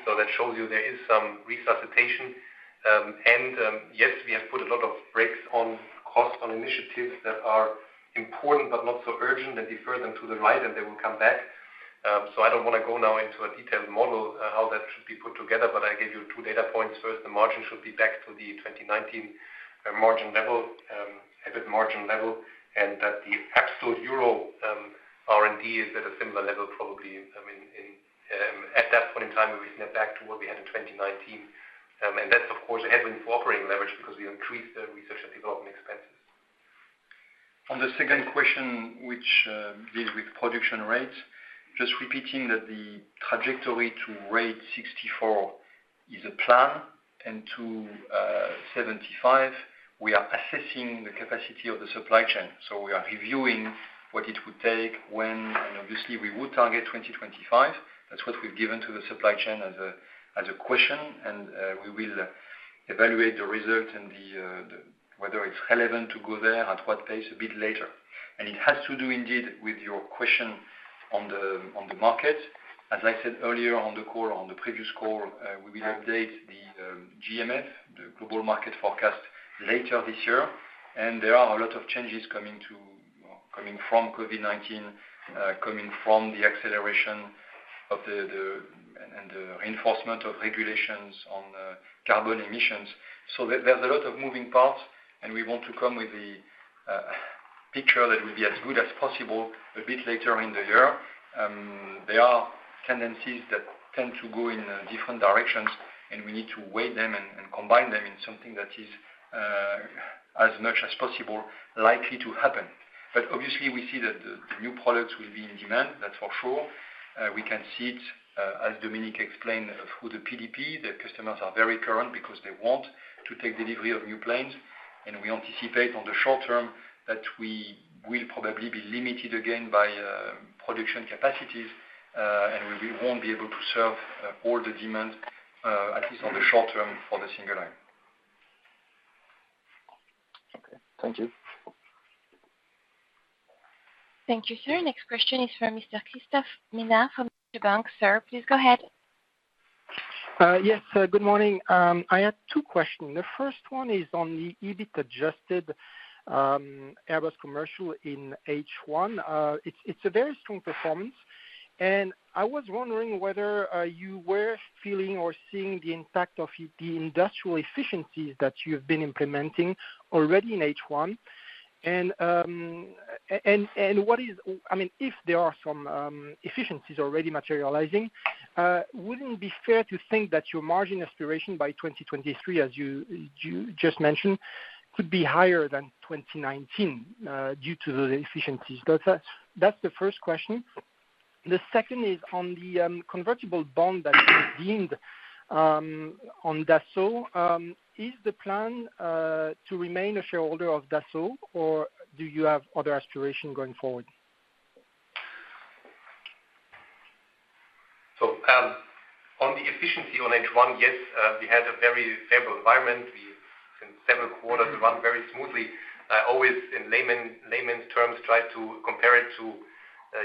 That shows you there is some resuscitation. Yes, we have put a lot of brakes on cost on initiatives that are important but not so urgent that defer them to the right and they will come back. I don't want to go now into a detailed model how that should be put together, but I gave you two data points. First, the margin should be back to the 2019 EBIT margin level, and that the absolute euro R&D is at a similar level, probably. At that point in time, we snap back to where we had in 2019. That's, of course, a headwind for operating leverage because we increased the research and development expenses. On the second question, which deals with production rates, just repeating that the trajectory to rate 64 is a plan, and to 75, we are assessing the capacity of the supply chain. We are reviewing what it would take, when, and obviously we would target 2025. That's what we've given to the supply chain as a question, and we will evaluate the result and whether it's relevant to go there, at what pace, a bit later. It has to do indeed with your question on the market. As I said earlier on the call, on the previous call, we will update the GMF, the Global Market Forecast, later this year. And there are a lot of changes coming from COVID-19, coming from the acceleration and the reinforcement of regulations on carbon emissions. There's a lot of moving parts, and we want to come with the picture that will be as good as possible a bit later in the year. There are tendencies that tend to go in different directions, and we need to weigh them and combine them in something that is as much as possible likely to happen. Obviously we see that the new products will be in demand, that's for sure. We can see it, as Dominik explained, through the PDP. The customers are very current because they want to take delivery of new planes. We anticipate on the short term that we will probably be limited again by production capacities, and we won't be able to serve all the demand, at least on the short term, for the single aisle. Okay. Thank you. Thank you, sir. Next question is from Mr. Christophe Menard from Deutsche Bank. Sir, please go ahead. Good morning. I had two questions. The first one is on the EBIT adjusted Airbus Commercial in H1. It's a very strong performance, and I was wondering whether you were feeling or seeing the impact of the industrial efficiencies that you've been implementing already in H1. If there are some efficiencies already materializing, wouldn't it be fair to think that your margin aspiration by 2023, as you just mentioned, could be higher than 2019 due to those efficiencies? That's the first question. The second is on the convertible bond that you redeemed on Dassault. Is the plan to remain a shareholder of Dassault, or do you have other aspirations going forward? On the efficiency on H1, yes, we had a very favorable environment. We, since several quarters, run very smoothly. I always, in layman's terms, try to compare it to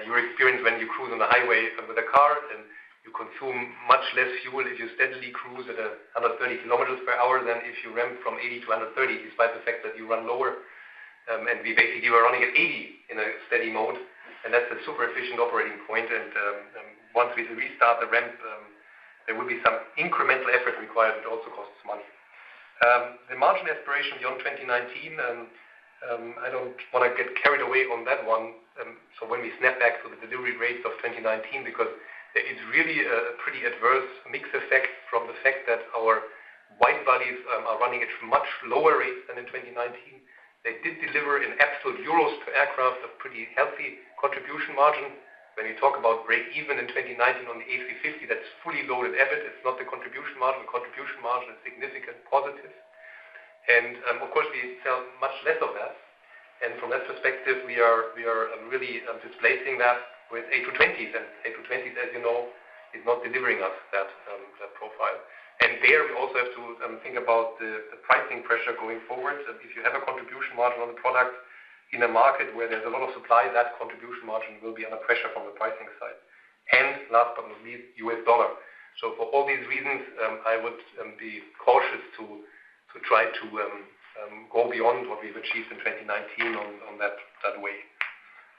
your experience when you cruise on the highway with a car, and you consume much less fuel if you steadily cruise at 130 kilometers per hour than if you ramp from 80-130, despite the fact that you run lower. We basically were running at 80 in a steady mode, and that's a super efficient operating point. Once we restart the ramp, there will be some incremental effort required, which also costs money. The margin aspiration beyond 2019, I don't want to get carried away on that one. When we snap back to the delivery rates of 2019, because there is really a pretty adverse mix effect from the fact that our wide bodies are running at much lower rates than in 2019. They did deliver in absolute EUR per aircraft, a pretty healthy contribution margin. When you talk about breakeven in 2019 on the A350, that's fully loaded EBIT, it's not the contribution margin. The contribution margin is significant positive. Of course, we sell much less of that. From that perspective, we are really displacing that with A320s, and A320s, as you know, is not delivering us that profile. There we also have to think about the pricing pressure going forward. If you have a contribution margin on a product in a market where there's a lot of supply, that contribution margin will be under pressure from the pricing side. Last but not least, U.S. dollar. For all these reasons, I would be cautious to try to go beyond what we've achieved in 2019 on that way.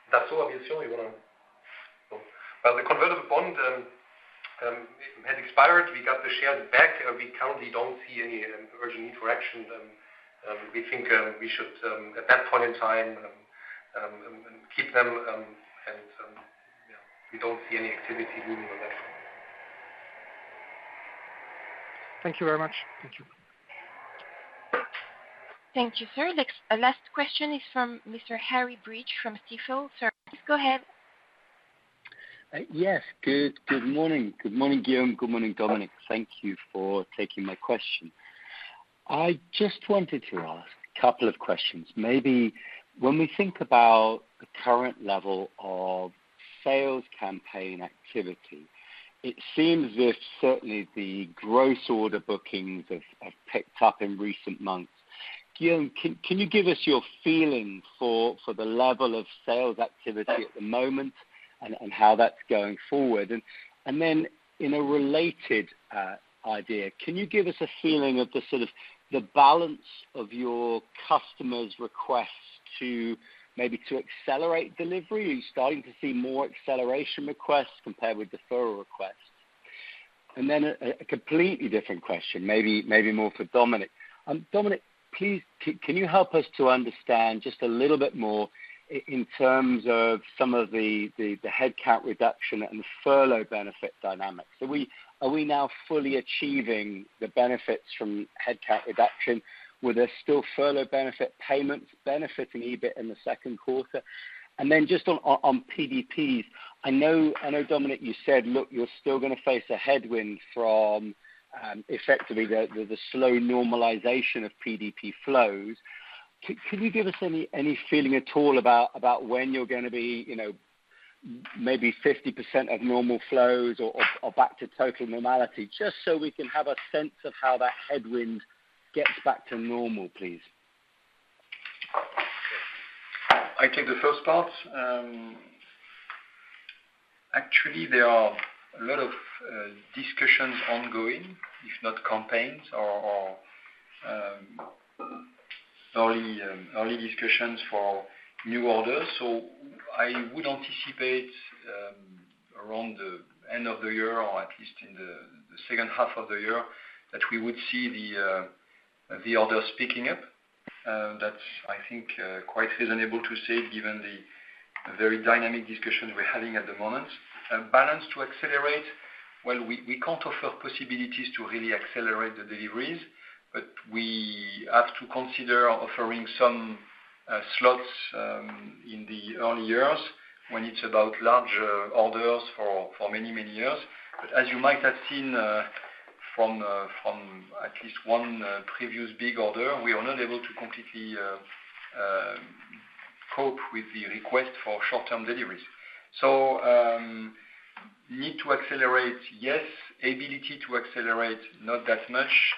Dassault, obviously, we want to. The convertible bond, it had expired. We got the shares back. We currently don't see any urgent need for action. We think we should, at that point in time, keep them, and we don't see any activity looming on that front. Thank you very much. Thank you. Thank you, sir. Last question is from Mr. Harry Breach from Stifel. Sir, please go ahead. Yes. Good morning. Good morning, Guillaume. Good morning, Dominik. Thank you for taking my question. I just wanted to ask a couple of questions. Maybe when we think about the current level of sales campaign activity, it seems as if certainly the gross order bookings have picked up in recent months. Guillaume, can you give us your feeling for the level of sales activity at the moment, and how that's going forward? Then in a related idea, can you give us a feeling of the sort of the balance of your customers' requests maybe to accelerate delivery? Are you starting to see more acceleration requests compared with deferral requests? Then a completely different question, maybe more for Dominik. Dominik, please, can you help us to understand just a little bit more in terms of some of the headcount reduction and furlough benefit dynamics? Are we now fully achieving the benefits from headcount reduction? Were there still furlough benefit payments benefiting EBIT in the second quarter? Then just on PDPs, I know, Dominik, you said, look, you're still going to face a headwind from effectively the slow normalization of PDP flows. Could you give us any feeling at all about when you're going to be maybe 50% of normal flows or back to total normality, just so we can have a sense of how that headwind gets back to normal, please? I take the first part. Actually, there are a lot of discussions ongoing, if not campaigns or early discussions for new orders. I would anticipate around the end of the year, or at least in the second half of the year, that we would see the orders picking up. That's, I think, quite reasonable to say given the very dynamic discussions we're having at the moment. Balance to accelerate, well, we can't offer possibilities to really accelerate the deliveries, but we have to consider offering some slots in the early years when it's about larger orders for many, many years. As you might have seen from at least one previous big order, we are not able to completely cope with the request for short-term deliveries. Need to accelerate, yes. Ability to accelerate, not that much.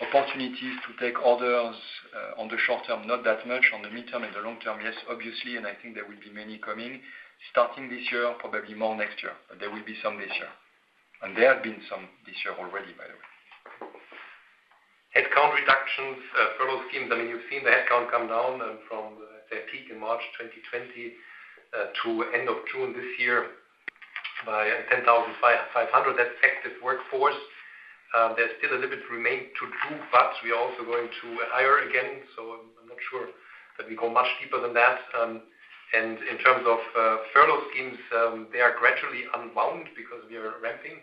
Opportunities to take orders on the short-term, not that much. On the midterm and the long-term, yes, obviously, and I think there will be many coming starting this year, probably more next year. There will be some this year. There have been some this year already, by the way. Headcount reductions, furlough schemes, you've seen the headcount come down from the peak in March 2020, to end of June this year by 10,500. That's effective workforce. There's still a little bit remained to do, but we are also going to hire again, so I'm not sure that we go much deeper than that. In terms of furlough schemes, they are gradually unbound because we are ramping,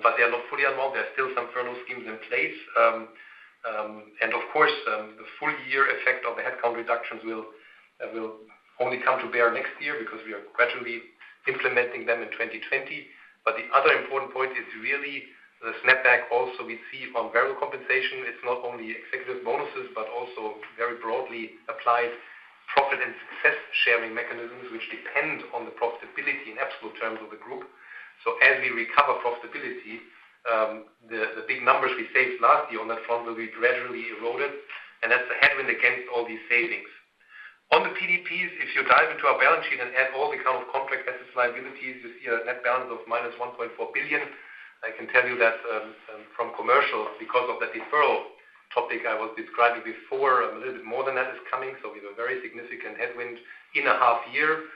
but they are not fully unwound. There's still some furlough schemes in place. Of course, the full year effect of the headcount reductions will only come to bear next year because we are gradually implementing them in 2020. The other important point is really the snapback also we see on variable compensation. It's not only executive bonuses, but also very broadly applied profit and success-sharing mechanisms, which depend on the profitability in absolute terms of the group. As we recover profitability, the big numbers we saved last year on that front will be gradually eroded, and that's a headwind against all these savings. On the PDPs, if you dive into our balance sheet and add all the kind of contract assets liabilities, you see a net balance of -1.4 billion. I can tell you that from commercials, because of that deferral topic I was describing before, a little bit more than that is coming. We have a very significant headwind in a half year.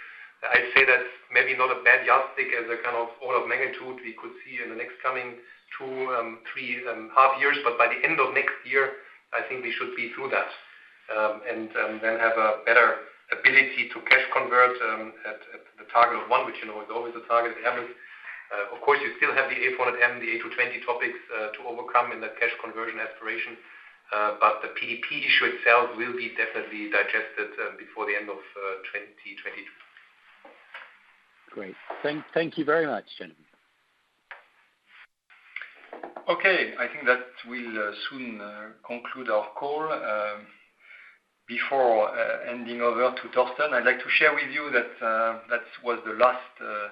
I'd say that's maybe not a bad yardstick as a kind of order of magnitude we could see in the next coming two, three half years. By the end of next year, I think we should be through that, and then have a better ability to cash convert at the target of 1, which is always the target of Airbus. Of course, you still have the A400M, the A220 topics to overcome in that cash conversion aspiration. The PDP issue itself will be definitely digested before the end of 2022. Great. Thank you very much, gentlemen. Okay, I think that will soon conclude our call. Before handing over to Thorsten, I'd like to share with you that was the last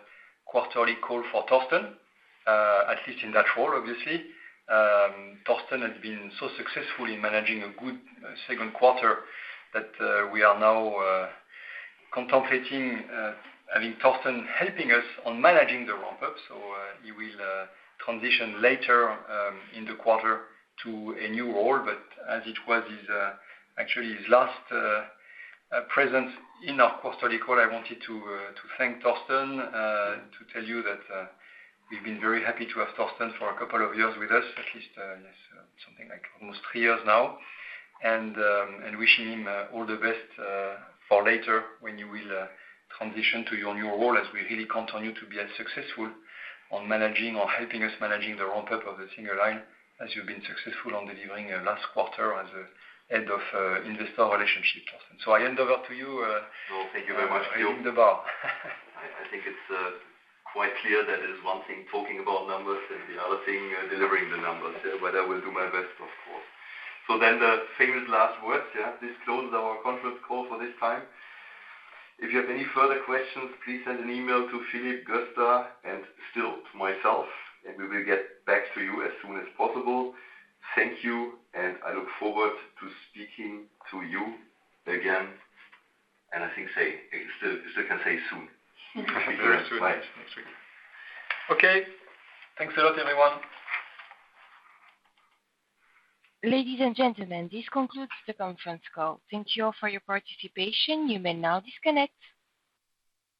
quarterly call for Thorsten, at least in that role, obviously. Thorsten has been so successful in managing a good second quarter that we are now contemplating having Thorsten helping us on managing the ramp-up. He will transition later in the quarter to a new role. As it was actually his last presence in our quarterly call, I wanted to thank Thorsten, to tell you that we've been very happy to have Thorsten for a couple of years with us, at least something like almost 3 years now. Wishing him all the best for later when you will transition to your new role as we really count on you to be as successful on managing or helping us managing the ramp-up of the single aisle as you've been successful on delivering last quarter as a Head of Investor Relations. I hand over to you. No, thank you very much. raising the bar. I think it's quite clear that it is one thing talking about numbers and the other thing delivering the numbers. I will do my best, of course. The famous last words, yeah? This closes our conference call for this time. If you have any further questions, please send an email to Philippe, Gustav, and still to myself, and we will get back to you as soon as possible. Thank you, and I look forward to speaking to you again, and I think say, still can say soon. Very soon. Bye. Next week. Okay, thanks a lot, everyone. Ladies and gentlemen, this concludes the conference call. Thank you all for your participation. You may now disconnect.